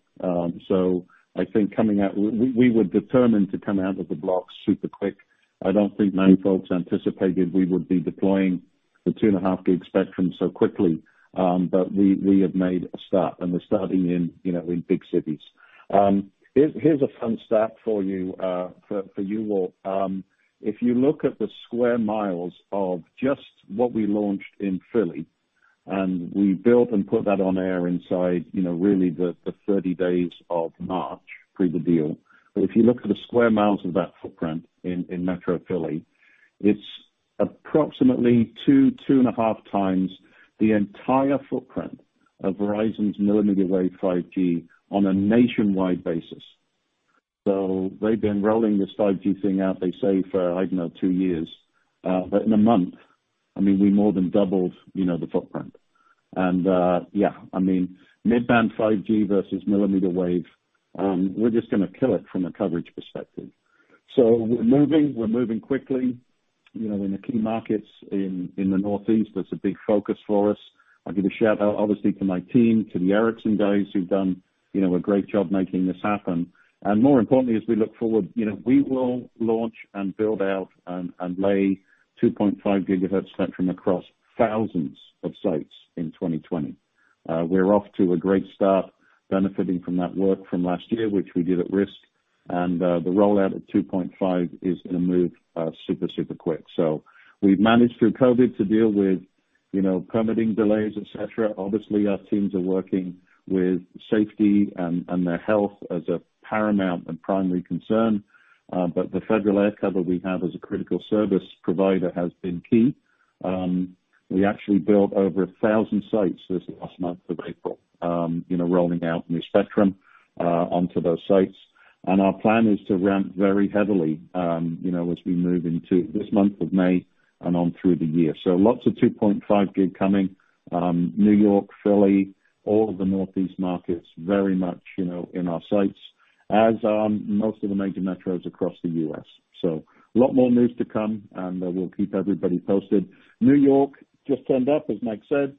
I think we were determined to come out of the blocks super quick. I don't think many folks anticipated we would be deploying the 2.5 GHz spectrum so quickly. We have made a start, and we're starting in big cities. Here's a fun stat for you, all. If you look at the square miles of just what we launched in Philly, and we built and put that on air inside really the 30 days of March pre the deal. If you look at the square miles of that footprint in metro Philly, it's approximately 2-2.5x the entire footprint of Verizon's millimeter wave 5G on a nationwide basis. They've been rolling this 5G thing out, they say, for, I don't know, two years. In a month, we more than doubled the footprint. Yeah, mid-band 5G versus millimeter wave, we're just going to kill it from a coverage perspective. We're moving quickly, in the key markets in the Northeast, that's a big focus for us. I'll give a shout-out, obviously, to my team, to the Ericsson guys who've done a great job making this happen. More importantly, as we look forward, we will launch and build out and lay 2.5 GHz spectrum across thousands of sites in 2020. We're off to a great start benefiting from that work from last year, which we did at risk. The rollout of 2.5 GHz is going to move super quick. We've managed through COVID-19 to deal with permitting delays, et cetera. Obviously, our teams are working with safety and their health as a paramount and primary concern. The federal air cover we have as a critical service provider has been key. We actually built over 1,000 sites this last month of April, rolling out new spectrum onto those sites. Our plan is to ramp very heavily as we move into this month of May and on through the year. Lots of 2.5 GHz coming. New York, Philly, all of the Northeast markets very much in our sights, as are most of the major metros across the U.S. A lot more news to come, and we'll keep everybody posted. New York just turned up, as Mike said,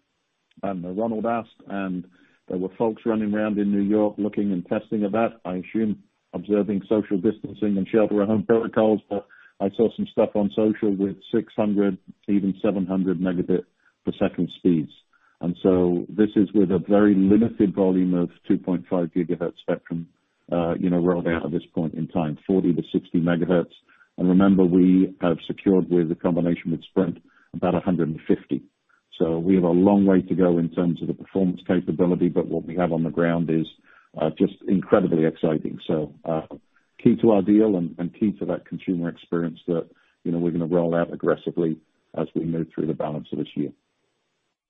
and Ronald asked, and there were folks running around in New York looking and testing about, I assume, observing social distancing and shelter at home protocols. I saw some stuff on social with 600, even 700 Mbps. This is with a very limited volume of 2.5 GHz spectrum rolled out at this point in time, 40-60 MHz. Remember, we have secured with a combination with Sprint about 150 MHz. We have a long way to go in terms of the performance capability, but what we have on the ground is just incredibly exciting. Key to our deal and key to that consumer experience that we're going to roll out aggressively as we move through the balance of this year.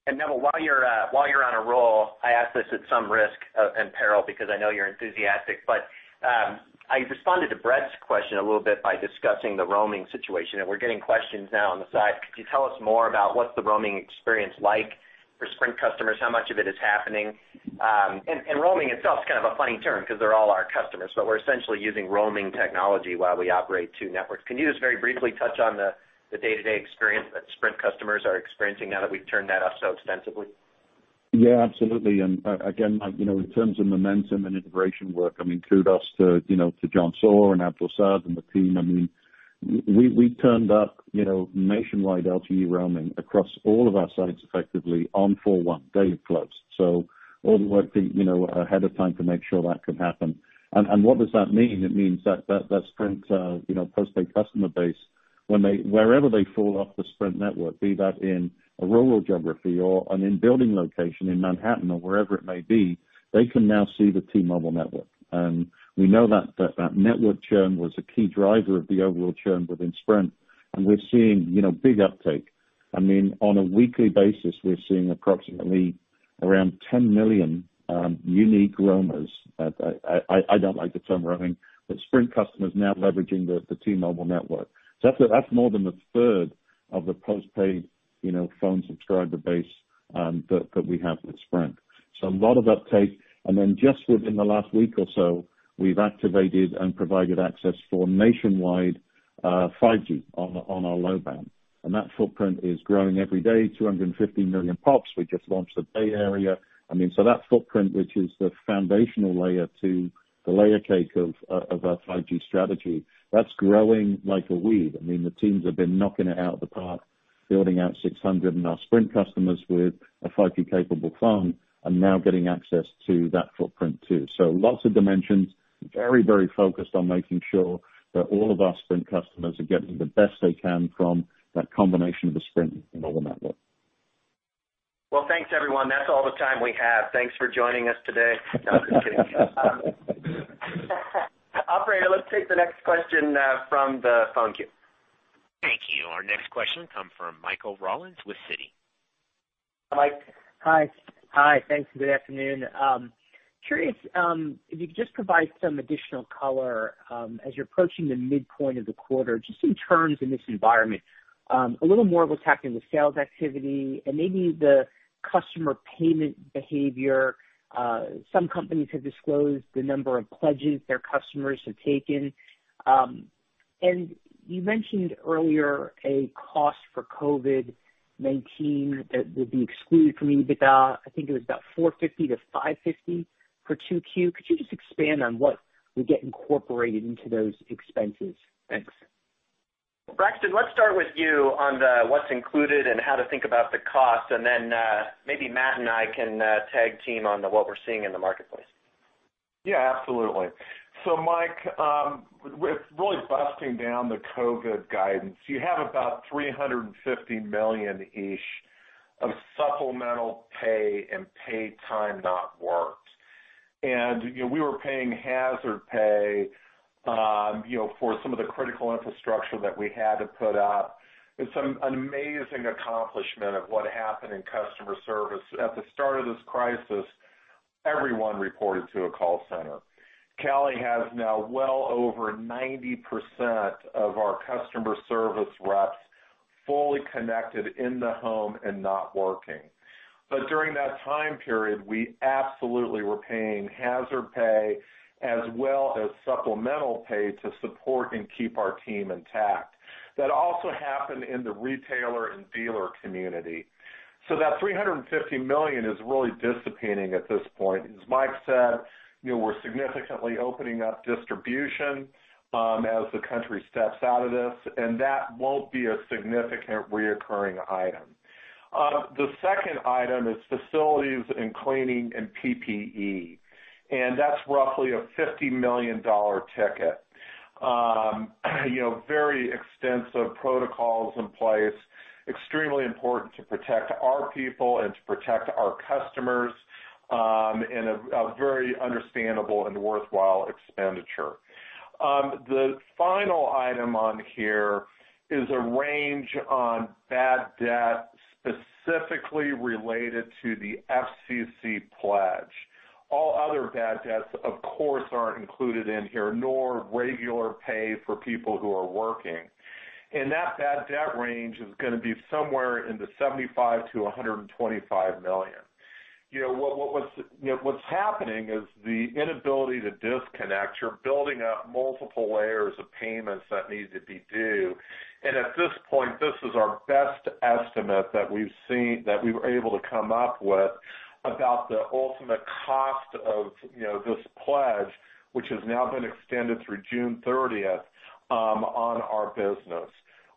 Neville, while you're on a roll, I ask this at some risk and peril because I know you're enthusiastic, but I responded to Brett's question a little bit by discussing the roaming situation, and we're getting questions now on the side. Could you tell us more about what's the roaming experience like for Sprint customers, how much of it is happening? Roaming itself is kind of a funny term because they're all our customers, but we're essentially using roaming technology while we operate two networks. Can you just very briefly touch on the day-to-day experience that Sprint customers are experiencing now that we've turned that up so extensively? Absolutely. Again, Mike, in terms of momentum and integration work, I mean, kudos to John Saw and Abdul Saad and the team. I mean, we turned up nationwide LTE roaming across all of our sites effectively on 4/1, day of close. All the work ahead of time to make sure that could happen. What does that mean? It means that that Sprint post-paid customer base, wherever they fall off the Sprint network, be that in a rural geography or an in-building location in Manhattan or wherever it may be, they can now see the T-Mobile network. We know that network churn was a key driver of the overall churn within Sprint, and we're seeing big uptake. On a weekly basis, we're seeing approximately around 10 million unique roamers. I don't like the term roaming, but Sprint customers now leveraging the T-Mobile network. That's more than a third of the post-paid phone subscriber base that we have with Sprint. A lot of uptake. Then just within the last week or so, we've activated and provided access for nationwide 5G on our low band. That footprint is growing every day, 250 million pops. We just launched the Bay Area. That footprint, which is the foundational layer to the layer cake of our 5G strategy, that's growing like a weed. I mean, the teams have been knocking it out of the park. Building out 600 MHz and our Sprint customers with a 5G capable phone are now getting access to that footprint too. Lots of dimensions. Very focused on making sure that all of our Sprint customers are getting the best they can from that combination of the Sprint and other networks. Well, thanks everyone. That's all the time we have. Thanks for joining us today. No, I'm just kidding. Operator, let's take the next question from the phone queue. Thank you. Our next question comes from Michael Rollins with Citi. Mike. Hi. Thanks, good afternoon. Curious if you could just provide some additional color as you're approaching the midpoint of the quarter, just in terms in this environment. A little more of what's happening with sales activity and maybe the customer payment behavior. Some companies have disclosed the number of pledges their customers have taken. You mentioned earlier a cost for COVID-19 that would be excluded from EBITDA. I think it was about $450 million-$550 million for 2Q. Could you just expand on what would get incorporated into those expenses? Thanks. Braxton, let's start with you on the what's included and how to think about the cost. Maybe Matt and I can tag team on what we're seeing in the marketplace. Yeah, absolutely. Mike, with really busting down the COVID-19 guidance, you have about $350 million-ish of supplemental pay and paid time not worked. We were paying hazard pay for some of the critical infrastructure that we had to put up and some amazing accomplishment of what happened in customer service. At the start of this crisis, everyone reported to a call center. Callie has now well over 90% of our customer service reps fully connected in the home and not working. During that time period, we absolutely were paying hazard pay as well as supplemental pay to support and keep our team intact. That also happened in the retailer and dealer community. That $350 million is really dissipating at this point. As Mike said, we're significantly opening up distribution, as the country steps out of this, and that won't be a significant recurring item. The second item is facilities and cleaning and PPE, that's roughly a $50 million ticket. Very extensive protocols in place, extremely important to protect our people and to protect our customers, a very understandable and worthwhile expenditure. The final item on here is a range on bad debt specifically related to the FCC pledge. All other bad debts, of course, aren't included in here, nor regular pay for people who are working. That bad debt range is going to be somewhere in the $75 million-$125 million. What's happening is the inability to disconnect. You're building up multiple layers of payments that need to be due, and at this point, this is our best estimate that we were able to come up with about the ultimate cost of this pledge, which has now been extended through June 30th, on our business.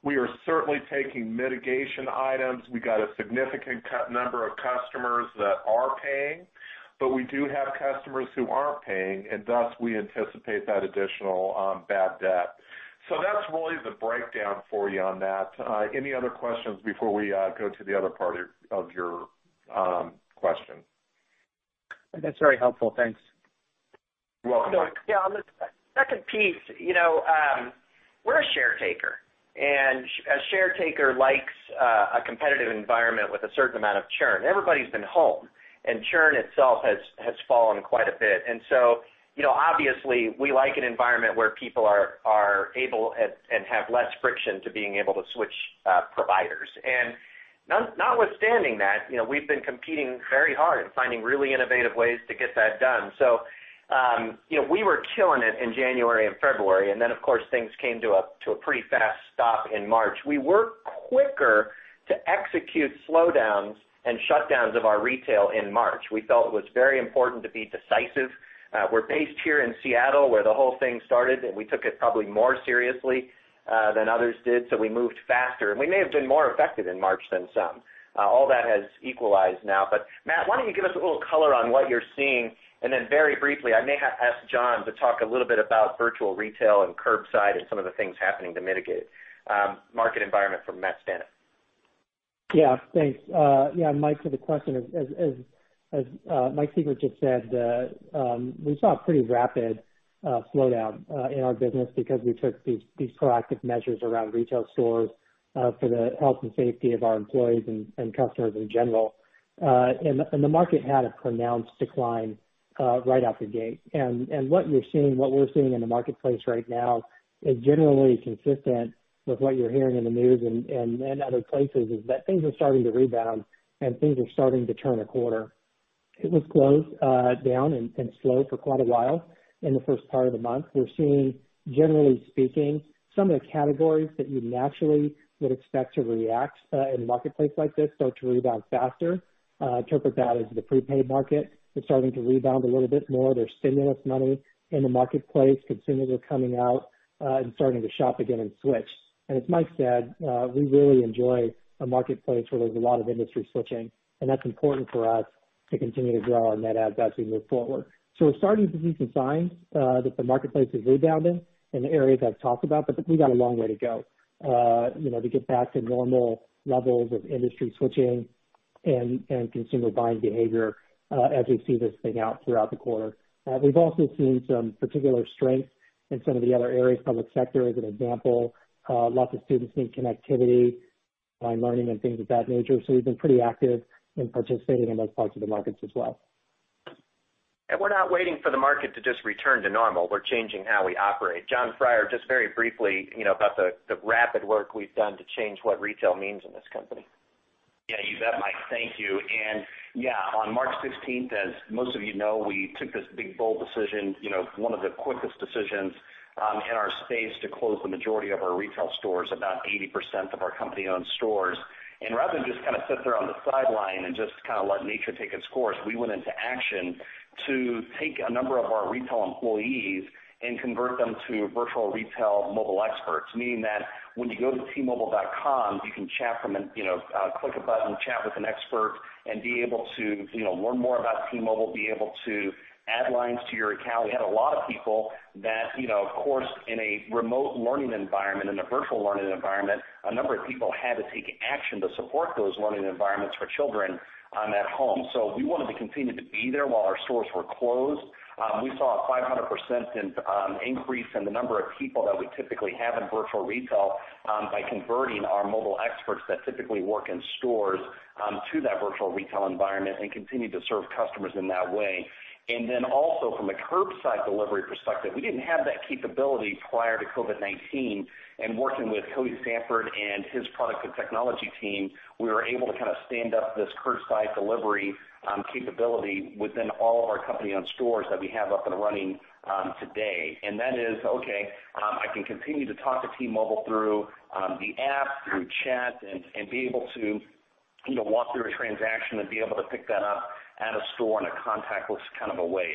We are certainly taking mitigation items. We got a significant number of customers that are paying, but we do have customers who aren't paying, and thus we anticipate that additional bad debt. That's really the breakdown for you on that. Any other questions before we go to the other part of your question? That's very helpful. Thanks. You're welcome. Yeah, on the second piece, we're a share taker, and a share taker likes a competitive environment with a certain amount of churn. Everybody's been home, and churn itself has fallen quite a bit. Obviously we like an environment where people are able and have less friction to being able to switch providers. Notwithstanding that, we've been competing very hard and finding really innovative ways to get that done. We were killing it in January and February, and then of course, things came to a pretty fast stop in March. We were quicker to execute slowdowns and shutdowns of our retail in March. We felt it was very important to be decisive. We're based here in Seattle, where the whole thing started, and we took it probably more seriously than others did, so we moved faster, and we may have been more effective in March than some. All that has equalized now. Matt, why don't you give us a little color on what you're seeing, and then very briefly, I may ask Jon to talk a little bit about virtual retail and curbside and some of the things happening to mitigate market environment from Matt's stance. Yeah. Thanks. Yeah, Mike, to the question, as Mike Sievert just said, we saw a pretty rapid slowdown in our business because we took these proactive measures around retail stores for the health and safety of our employees and customers in general. The market had a pronounced decline right out the gate. What we're seeing in the marketplace right now is generally consistent with what you're hearing in the news and other places, is that things are starting to rebound and things are starting to turn a corner. It was closed down and slow for quite a while in the first part of the month. We're seeing, generally speaking, some of the categories that you naturally would expect to react in a marketplace like this start to rebound faster. Interpret that as the prepaid market is starting to rebound a little bit more. There's stimulus money in the marketplace. Consumers are coming out and starting to shop again and switch. As Mike said, we really enjoy a marketplace where there's a lot of industry switching, and that's important for us to continue to grow our net add as we move forward. We're starting to see some signs that the marketplace is rebounding in the areas I've talked about, but we've got a long way to go to get back to normal levels of industry switching and consumer buying behavior as we see this thing out throughout the quarter. We've also seen some particular strength in some of the other areas. Public sector is an example. Lots of students need connectivity, online learning, and things of that nature. We've been pretty active in participating in those parts of the markets as well. We're not waiting for the market to just return to normal. We're changing how we operate. Jon Freier, just very briefly, about the rapid work we've done to change what retail means in this company. Yeah, you bet, Mike. Thank you. Yeah, on March 16th, as most of you know, we took this big, bold decision, one of the quickest decisions in our space, to close the majority of our retail stores, about 80% of our company-owned stores. Rather than just kind of sit there on the sideline and just kind of let nature take its course, we went into action to take a number of our retail employees and convert them to virtual retail mobile experts, meaning that when you go to t-mobile.com, you can click a button, chat with an expert, and be able to learn more about T-Mobile, be able to add lines to your account. We had a lot of people that, of course, in a remote learning environment, in a virtual learning environment, a number of people had to take action to support those learning environments for children at home. We wanted to continue to be there while our stores were closed. We saw a 500% increase in the number of people that we typically have in virtual retail by converting our mobile experts that typically work in stores to that virtual retail environment and continue to serve customers in that way. Then also from a curbside delivery perspective, we didn't have that capability prior to COVID-19. Working with Cody Sanford and his product and technology team, we were able to kind of stand up this curbside delivery capability within all of our company-owned stores that we have up and running today. That is, okay, I can continue to talk to T-Mobile through the app, through chat, and be able to walk through a transaction and be able to pick that up at a store in a contactless kind of a way.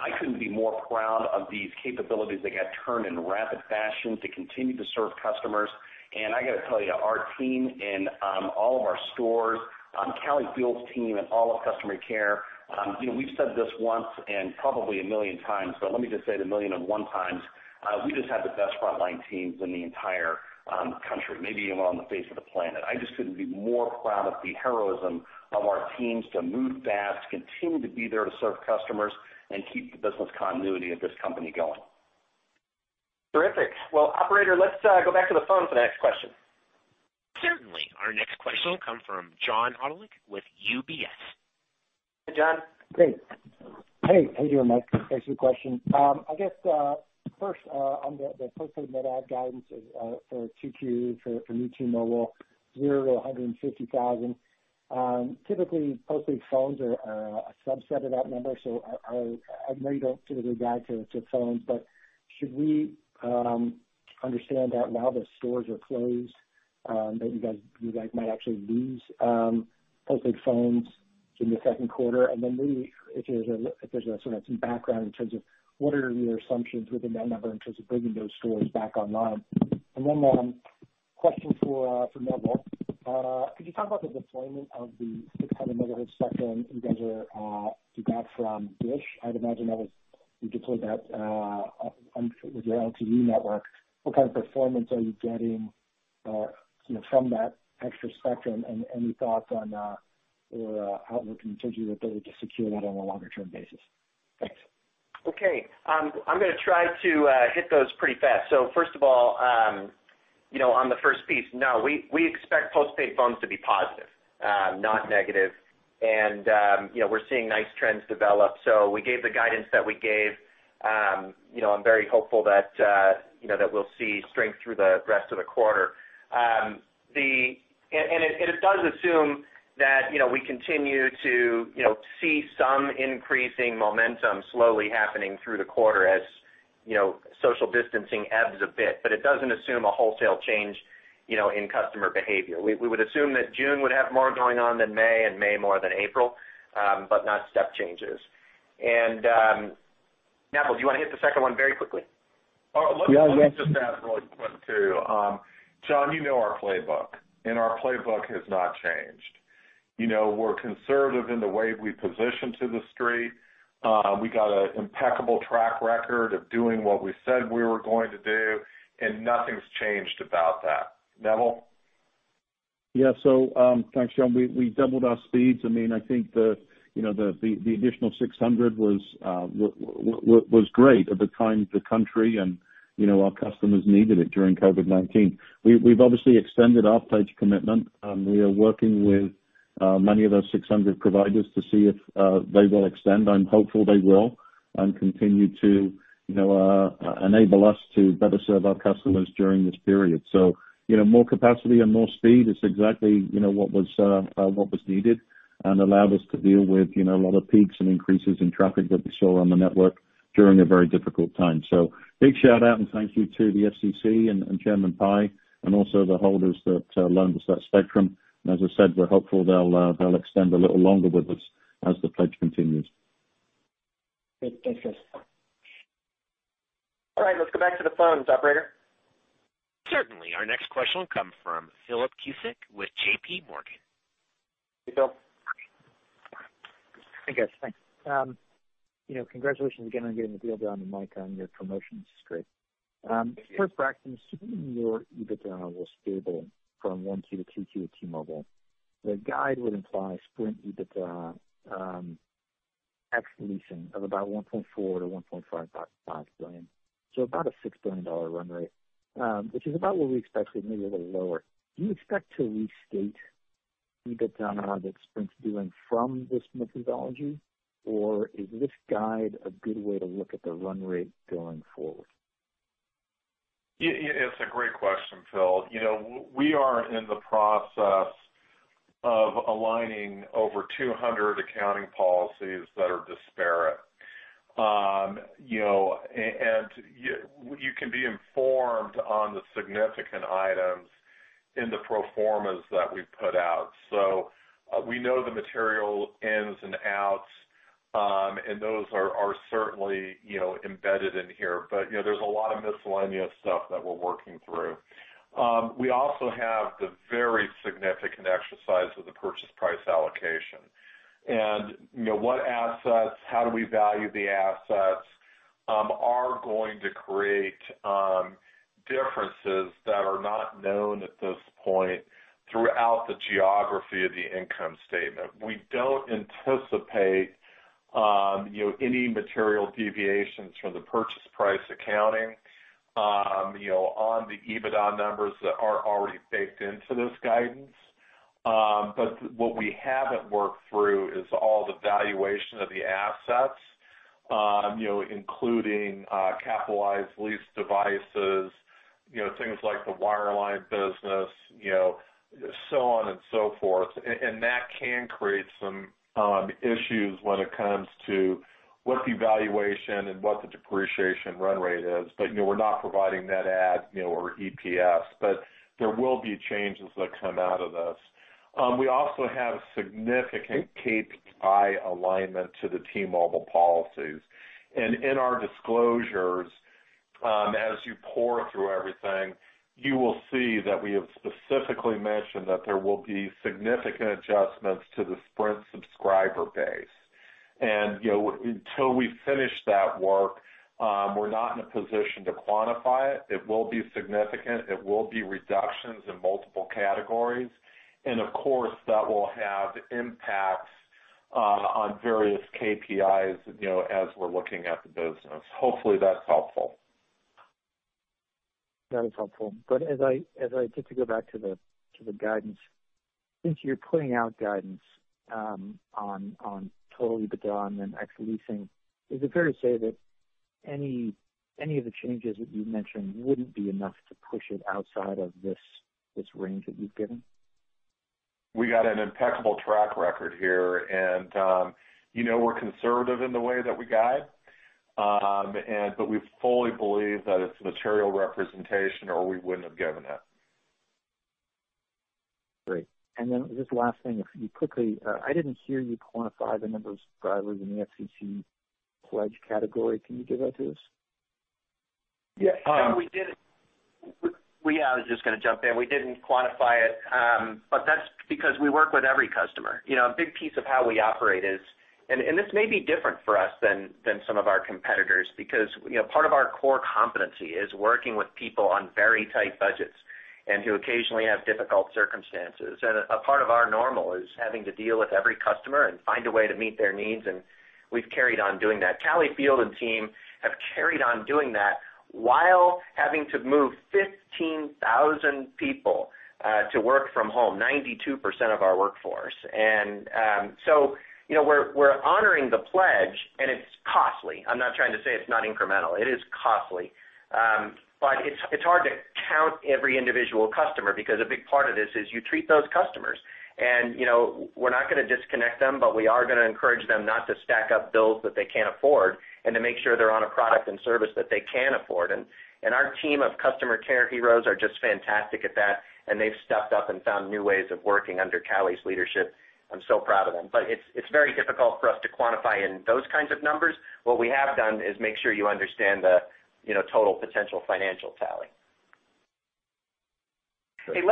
I couldn't be more proud of these capabilities that got turned in rapid fashion to continue to serve customers. I got to tell you, our team in all of our stores, Callie Field's team, and all of customer care, we've said this once and probably 1 million times, but let me just say it 1 million and one times, we just have the best frontline teams in the entire country, maybe even on the face of the planet. I just couldn't be more proud of the heroism of our teams to move fast, continue to be there to serve customers, and keep the business continuity of this company going. Terrific. Well, operator, let's go back to the phone for the next question. Certainly. Our next question will come from John Hodulik with UBS. Hey, John. Great. Hey, how you doing, Mike? Thanks for the question. I guess, first, on the postpaid net add guidance for 2Q for me, T-Mobile, zero to 150,000. Typically, postpaid phones are a subset of that number. I know you don't typically guide to phones, but should we understand that now that stores are closed, that you guys might actually lose postpaid phones in the second quarter? Maybe if there's some background in terms of what are your assumptions within that number in terms of bringing those stores back online? Question for Neville. Could you talk about the deployment of the 600 MHz spectrum you guys got from DISH? I'd imagine you deployed that with your LTE network. What kind of performance are you getting from that extra spectrum, and any thoughts on your outlook in terms of your ability to secure that on a longer-term basis? Thanks. Okay. I'm going to try to hit those pretty fast. First of all, on the first piece, no, we expect postpaid phones to be positive, not negative. We're seeing nice trends develop. We gave the guidance that we gave. I'm very hopeful that we'll see strength through the rest of the quarter. It does assume that we continue to see some increasing momentum slowly happening through the quarter as social distancing ebbs a bit, but it doesn't assume a wholesale change in customer behavior. We would assume that June would have more going on than May, and May more than April, but not step changes. Neville, do you want to hit the second one very quickly? Let me just add really quick, too. John, you know our playbook, and our playbook has not changed. We're conservative in the way we position to the Street. We got an impeccable track record of doing what we said we were going to do, and nothing's changed about that. Neville? Yeah. Thanks, John. We doubled our speeds. I think the additional 600 MHz was great at the time the country and our customers needed it during COVID-19. We've obviously extended our pledge commitment. We are working with many of those 600 MHz providers to see if they will extend. I'm hopeful they will continue to enable us to better serve our customers during this period. More capacity and more speed is exactly what was needed and allowed us to deal with a lot of peaks and increases in traffic that we saw on the network during a very difficult time. Big shout-out and thank you to the FCC and Chairman Pai, and also the holders that loaned us that spectrum. As I said, we're hopeful they'll extend a little longer with us as the pledge continues. Great. Thank you. All right, let's go back to the phones, operator. Certainly. Our next question will come from Philip Cusick with J.P. Morgan. Hey, Phil. Hey, guys. Thanks. Congratulations again on getting the deal done and, Mike, on your promotion. This is great. Thank you. Per practice, your EBITDA was stable from 1Q to 2Q at T-Mobile. The guide would imply Sprint EBITDA ex-leasing of about $1.4 billion-$1.5 billion. About a $6 billion run rate, which is about what we expected, maybe a little lower. Do you expect to restate EBITDA that Sprint's doing from this methodology, or is this guide a good way to look at the run rate going forward? It's a great question, Phil. We are in the process of aligning over 200 accounting policies that are disparate. You can be informed on the significant items in the pro formas that we've put out. We know the material ins and outs, and those are certainly embedded in here. There's a lot of miscellaneous stuff that we're working through. We also have the very significant exercise of the purchase price allocation. What assets, how do we value the assets, are going to create differences that are not known at this point throughout the geography of the income statement. We don't anticipate any material deviations from the purchase price accounting on the EBITDA numbers that are already baked into this guidance. What we haven't worked through is all the valuation of the assets, including capitalized lease devices, things like the wireline business, so on and so forth. That can create some issues when it comes to what the valuation and what the depreciation run rate is. We're not providing net add or EPS, but there will be changes that come out of this. We also have significant KPI alignment to the T-Mobile policies. In our disclosures, as you pore through everything, you will see that we have specifically mentioned that there will be significant adjustments to the Sprint subscriber base. Until we finish that work, we're not in a position to quantify it. It will be significant. It will be reductions in multiple categories, and of course, that will have impacts on various KPIs as we're looking at the business. Hopefully, that's helpful. That is helpful. Just to go back to the guidance, since you're putting out guidance on total EBITDA and then ex-leasing, is it fair to say that any of the changes that you mentioned wouldn't be enough to push it outside of this range that you've given? We got an impeccable track record here, and we're conservative in the way that we guide. We fully believe that it's a material representation, or we wouldn't have given it. Great. Just last thing, I didn't hear you quantify the number of subscribers in the FCC Pledge category. Can you give that to us? Yeah. Yeah, I was just going to jump in. We didn't quantify it, but that's because we work with every customer. A big piece of how we operate is, and this may be different for us than some of our competitors, because part of our core competency is working with people on very tight budgets and who occasionally have difficult circumstances. A part of our normal is having to deal with every customer and find a way to meet their needs, and we've carried on doing that. Callie Field and team have carried on doing that while having to move 15,000 people to work from home, 92% of our workforce. We're honoring the pledge, and it's costly. I'm not trying to say it's not incremental. It is costly. It's hard to count every individual customer because a big part of this is you treat those customers. We're not going to disconnect them, but we are going to encourage them not to stack up bills that they can't afford and to make sure they're on a product and service that they can afford. Our team of customer care heroes are just fantastic at that, and they've stepped up and found new ways of working under Callie's leadership. I'm so proud of them. It's very difficult for us to quantify in those kinds of numbers. What we have done is make sure you understand the total potential financial tally. Great. Okay,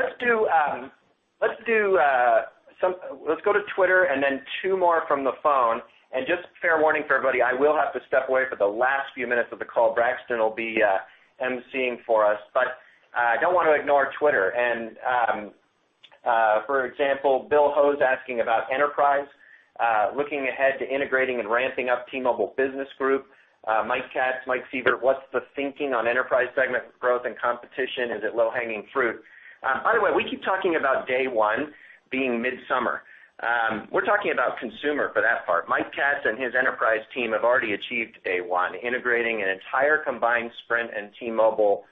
let's go to Twitter and then two more from the phone. Just fair warning for everybody, I will have to step away for the last few minutes of the call. Braxton will be emceeing for us. I don't want to ignore Twitter. For example, Bill Ho's asking about enterprise, looking ahead to integrating and ramping up T-Mobile for Business. Mike Katz, Mike Sievert, what's the thinking on enterprise segment growth and competition? Is it low-hanging fruit? By the way, we keep talking about day one being midsummer. We're talking about consumer for that part. Mike Katz and his enterprise team have already achieved day one, integrating an entire combined Sprint and T-Mobile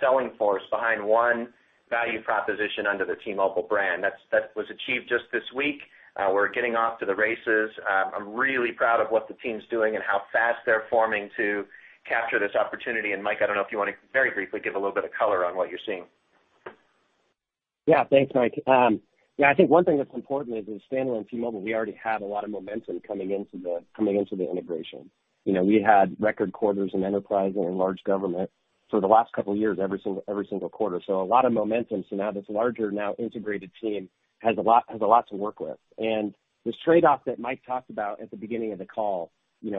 selling force behind one value proposition under the T-Mobile brand. That was achieved just this week. We're getting off to the races. I'm really proud of what the team's doing and how fast they're forming to capture this opportunity. Mike, I don't know if you want to very briefly give a little bit of color on what you're seeing. Thanks, Mike. I think one thing that's important is with Standalone T-Mobile, we already had a lot of momentum coming into the integration. We had record quarters in enterprise and in large government for the last couple of years, every single quarter. A lot of momentum. This trade-off that Mike talked about at the beginning of the call,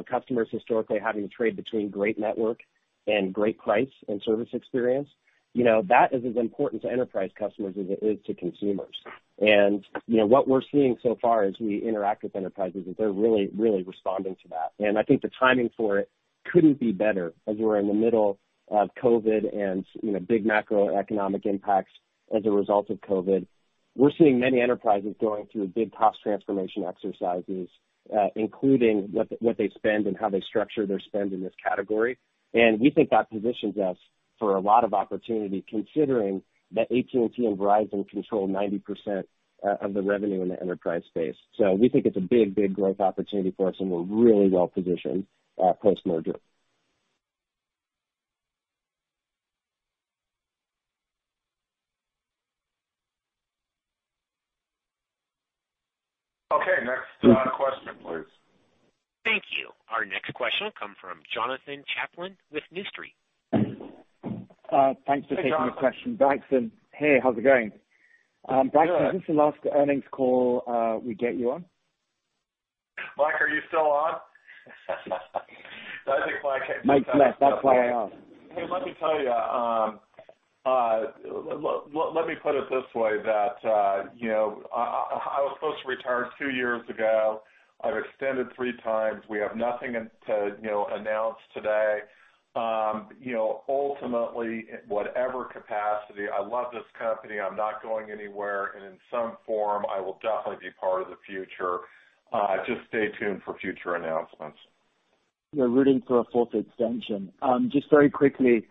customers historically having to trade between great network and great price and service experience, that is as important to enterprise customers as it is to consumers. What we're seeing so far as we interact with enterprises is they're really responding to that. I think the timing for it couldn't be better as we're in the middle of COVID and big macroeconomic impacts as a result of COVID. We're seeing many enterprises going through big cost transformation exercises, including what they spend and how they structure their spend in this category. We think that positions us for a lot of opportunity considering that AT&T and Verizon control 90% of the revenue in the enterprise space. We think it's a big growth opportunity for us, and we're really well positioned post-merger. Okay, next question, please. Thank you. Our next question will come from Jonathan Chaplin with New Street Research. Thanks for taking the question. Hey, Jonathan. Braxton, hey, how's it going? Doing good. Braxton, is this the last earnings call we get you on? Mike, are you still on? Mike left. That's why I asked. Hey, let me tell you. Let me put it this way, that I was supposed to retire two years ago. I've extended three times. We have nothing to announce today. Ultimately, whatever capacity, I love this company. I'm not going anywhere. In some form, I will definitely be part of the future. Just stay tuned for future announcements. We're rooting for a fourth extension. Just very quickly,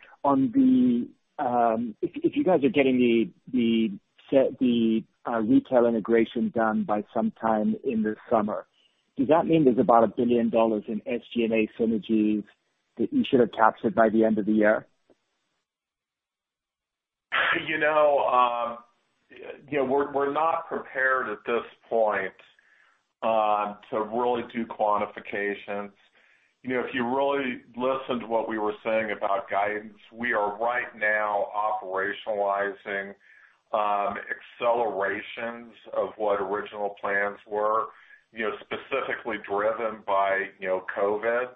if you guys are getting the retail integration done by sometime in the summer, does that mean there's about $1 billion in SG&A synergies that you should have captured by the end of the year? We're not prepared at this point to really do quantifications. If you really listened to what we were saying about guidance, we are right now operationalizing accelerations of what original plans were, specifically driven by COVID.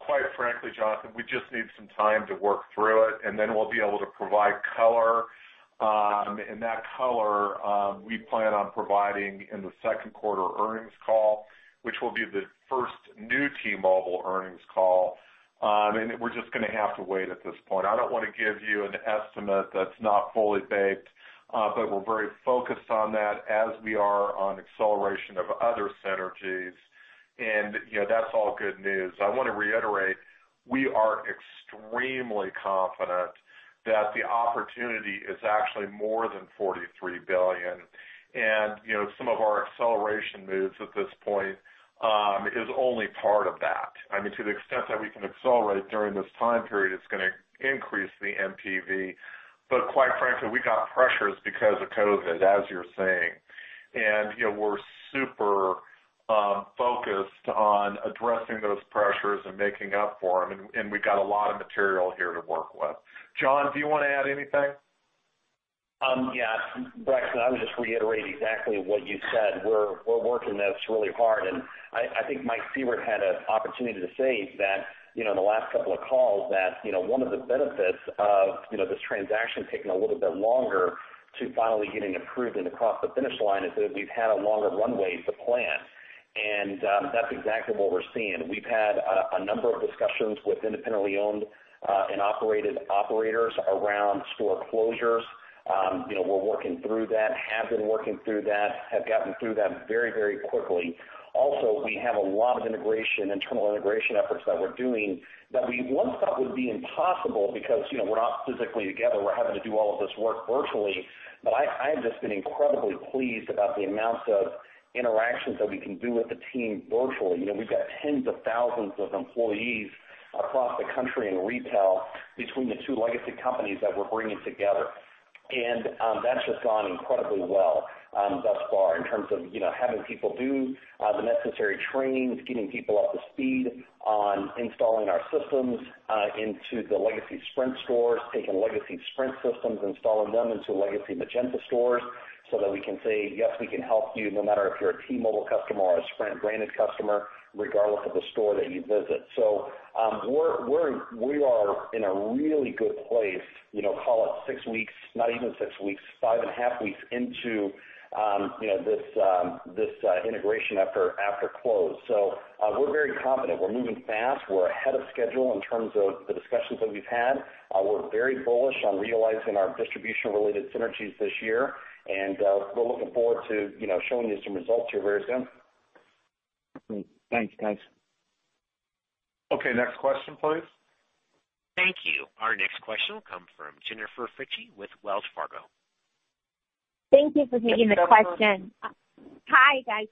Quite frankly, Jonathan, we just need some time to work through it, and then we'll be able to provide color. That color, we plan on providing in the second quarter earnings call, which will be the first new T-Mobile earnings call. We're just going to have to wait at this point. I don't want to give you an estimate that's not fully baked, but we're very focused on that as we are on acceleration of other synergies. That's all good news. I want to reiterate, we are extremely confident that the opportunity is actually more than $43 billion. Some of our acceleration moves at this point is only part of that. I mean, to the extent that we can accelerate during this time period, it's going to increase the NPV. Quite frankly, we got pressures because of COVID, as you're saying. We're super focused on addressing those pressures and making up for them. We've got a lot of material here to work with. Jon, do you want to add anything? Yeah. Braxton, I would just reiterate exactly what you said. We're working this really hard. I think Mike Sievert had an opportunity to say that in the last couple of calls that one of the benefits of this transaction taking a little bit longer to finally getting approved and across the finish line is that we've had a longer runway to plan, and that's exactly what we're seeing. We've had a number of discussions with independently owned and operated operators around store closures. We're working through that, have been working through that, have gotten through them very quickly. We have a lot of internal integration efforts that we're doing that we once thought would be impossible because we're not physically together. We're having to do all of this work virtually. I have just been incredibly pleased about the amount of interactions that we can do with the team virtually. We've got tens of thousands of employees across the country in retail between the two legacy companies that we're bringing together. That's just gone incredibly well thus far in terms of having people do the necessary trainings, getting people up to speed on installing our systems into the legacy Sprint stores, taking legacy Sprint systems, installing them into legacy Magenta stores so that we can say, "Yes, we can help you no matter if you're a T-Mobile customer or a Sprint-branded customer, regardless of the store that you visit." We are in a really good place, call it six weeks, not even six weeks, five and a half weeks into this integration after close. We're very confident. We're moving fast. We're ahead of schedule in terms of the discussions that we've had. We're very bullish on realizing our distribution-related synergies this year, and we're looking forward to showing you some results here very soon. Great. Thanks, guys. Okay, next question, please. Thank you. Our next question will come from Jennifer Fritzsche with Wells Fargo. Thank you for taking the question. Hi, guys.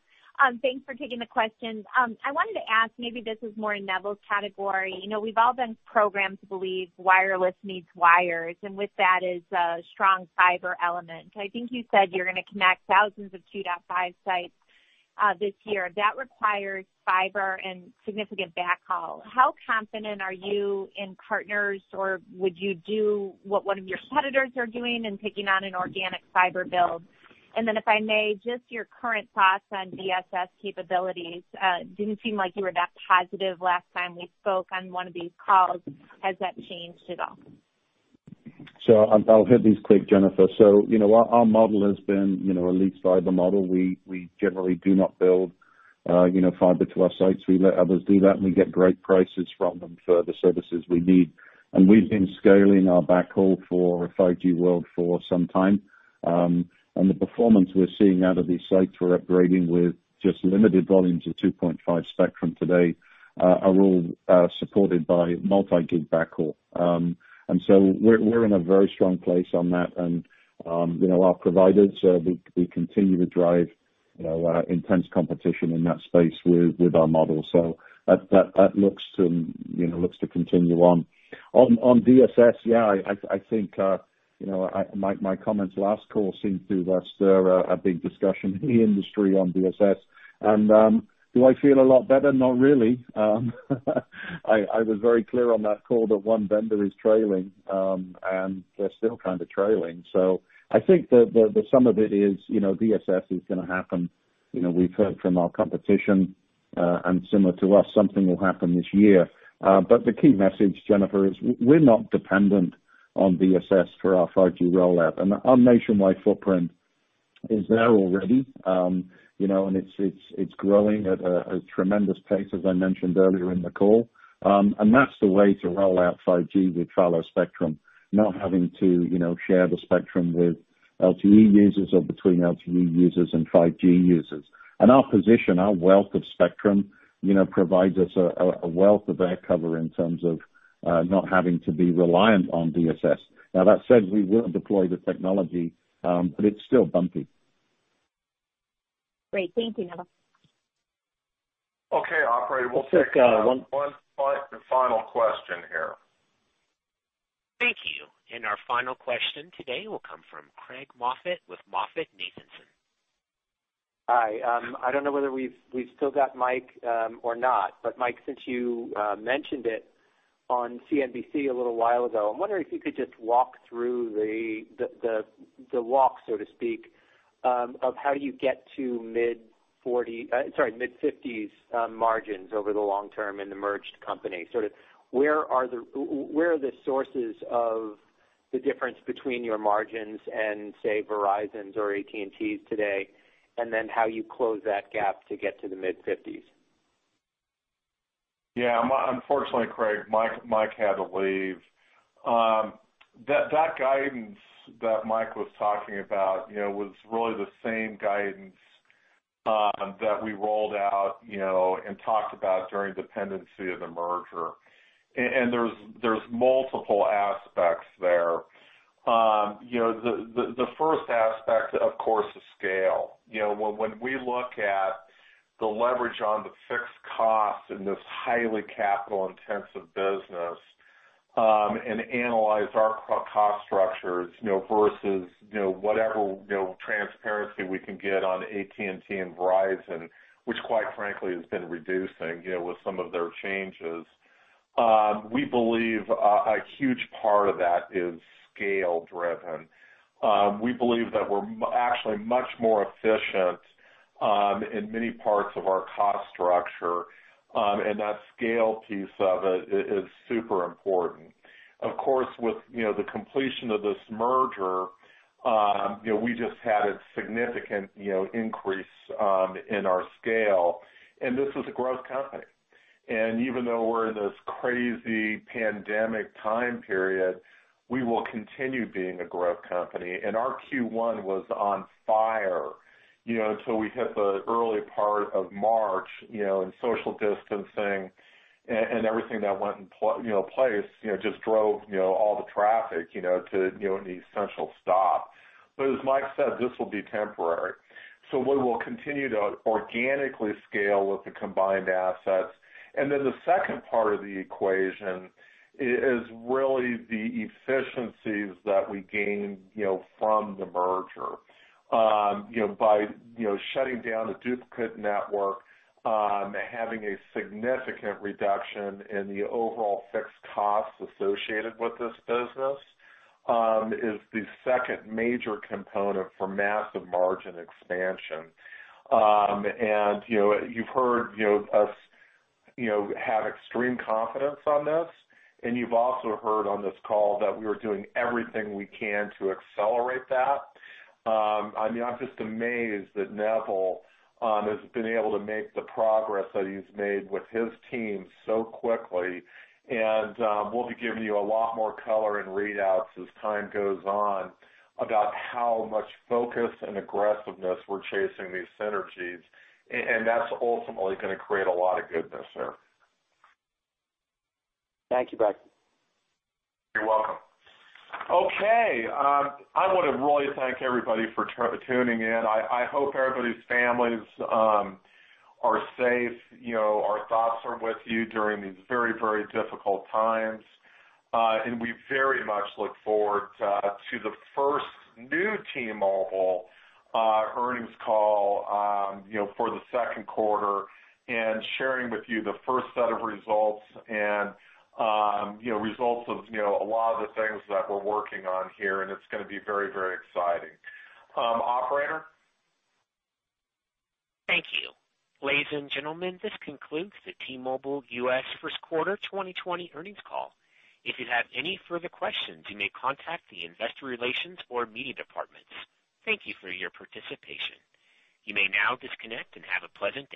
Thanks for taking the questions. I wanted to ask, maybe this is more Neville's category. We've all been programmed to believe wireless needs wires, and with that is a strong fiber element. I think you said you're going to connect thousands of 2.5 GHz sites this year. That requires fiber and significant backhaul. How confident are you in partners, or would you do what one of your competitors are doing and taking on an organic fiber build? Then if I may, just your current thoughts on DSS capabilities. Didn't seem like you were that positive last time we spoke on one of these calls. Has that changed at all? I'll hit these quick, Jennifer. Our model has been a leased fiber model. We generally do not build fiber to our sites. We let others do that, and we get great prices from them for the services we need. We've been scaling our backhaul for a 5G world for some time. The performance we're seeing out of these sites we're upgrading with just limited volumes of 2.5 GHz spectrum today, are all supported by multi-gig backhaul. We're in a very strong place on that and our providers, we continue to drive intense competition in that space with our model. That looks to continue on. On DSS, yeah, I think, my comments last call seemed to stir a big discussion in the industry on DSS. Do I feel a lot better? Not really. I was very clear on that call that one vendor is trailing, and they're still kind of trailing. I think the sum of it is, DSS is going to happen. We've heard from our competition, and similar to us, something will happen this year. The key message, Jennifer, is we're not dependent on DSS for our 5G rollout, and our nationwide footprint is there already. It's growing at a tremendous pace, as I mentioned earlier in the call. That's the way to roll out 5G with follow spectrum, not having to share the spectrum with LTE users or between LTE users and 5G users. Our position, our wealth of spectrum provides us a wealth of air cover in terms of not having to be reliant on DSS. Now that said, we will deploy the technology, but it's still bumpy. Great. Thank you, Neville. Okay, operator. I think one- One final question here. Thank you. Our final question today will come from Craig Moffett with MoffettNathanson. Hi. I don't know whether we've still got Mike or not, but Mike, since you mentioned it on CNBC a little while ago, I'm wondering if you could just walk through the walk, so to speak, of how you get to mid 50s margins over the long term in the merged company. Sort of where are the sources of the difference between your margins and, say, Verizon's or AT&T's today, and then how you close that gap to get to the mid 50s? Yeah. Unfortunately, Craig, Mike had to leave. That guidance that Mike was talking about was really the same guidance that we rolled out and talked about during pendency of the merger. There's multiple aspects there. The first aspect, of course, is scale. When we look at the leverage on the fixed costs in this highly capital-intensive business, and analyze our cost structures versus whatever transparency we can get on AT&T and Verizon, which quite frankly has been reducing with some of their changes, we believe a huge part of that is scale driven. We believe that we're actually much more efficient in many parts of our cost structure. That scale piece of it is super important. Of course, with the completion of this merger, we just had a significant increase in our scale, and this is a growth company. Even though we're in this crazy pandemic time period, we will continue being a growth company. Our Q1 was on fire, until we hit the early part of March, and social distancing and everything that went in place just drove all the traffic to an essential stop. As Mike said, this will be temporary. We will continue to organically scale with the combined assets. The second part of the equation is really the efficiencies that we gain from the merger. By shutting down the duplicate network, having a significant reduction in the overall fixed costs associated with this business, is the second major component for massive margin expansion. You've heard us have extreme confidence on this, and you've also heard on this call that we are doing everything we can to accelerate that. I'm just amazed that Neville has been able to make the progress that he's made with his team so quickly. We'll be giving you a lot more color and readouts as time goes on about how much focus and aggressiveness we're chasing these synergies. That's ultimately going to create a lot of goodness tere. Thank you, Braxton. You're welcome. Okay. I want to really thank everybody for tuning in. I hope everybody's families are safe. Our thoughts are with you during these very, very difficult times. We very much look forward to the first new T-Mobile earnings call for the second quarter and sharing with you the first set of results, and results of a lot of the things that we're working on here, and it's going to be very, very exciting. Operator? Thank you. Ladies and gentlemen, this concludes the T-Mobile US first quarter 2020 earnings call. If you have any further questions, you may contact the investor relations or media departments. Thank you for your participation. You may now disconnect and have a pleasant rest of your day.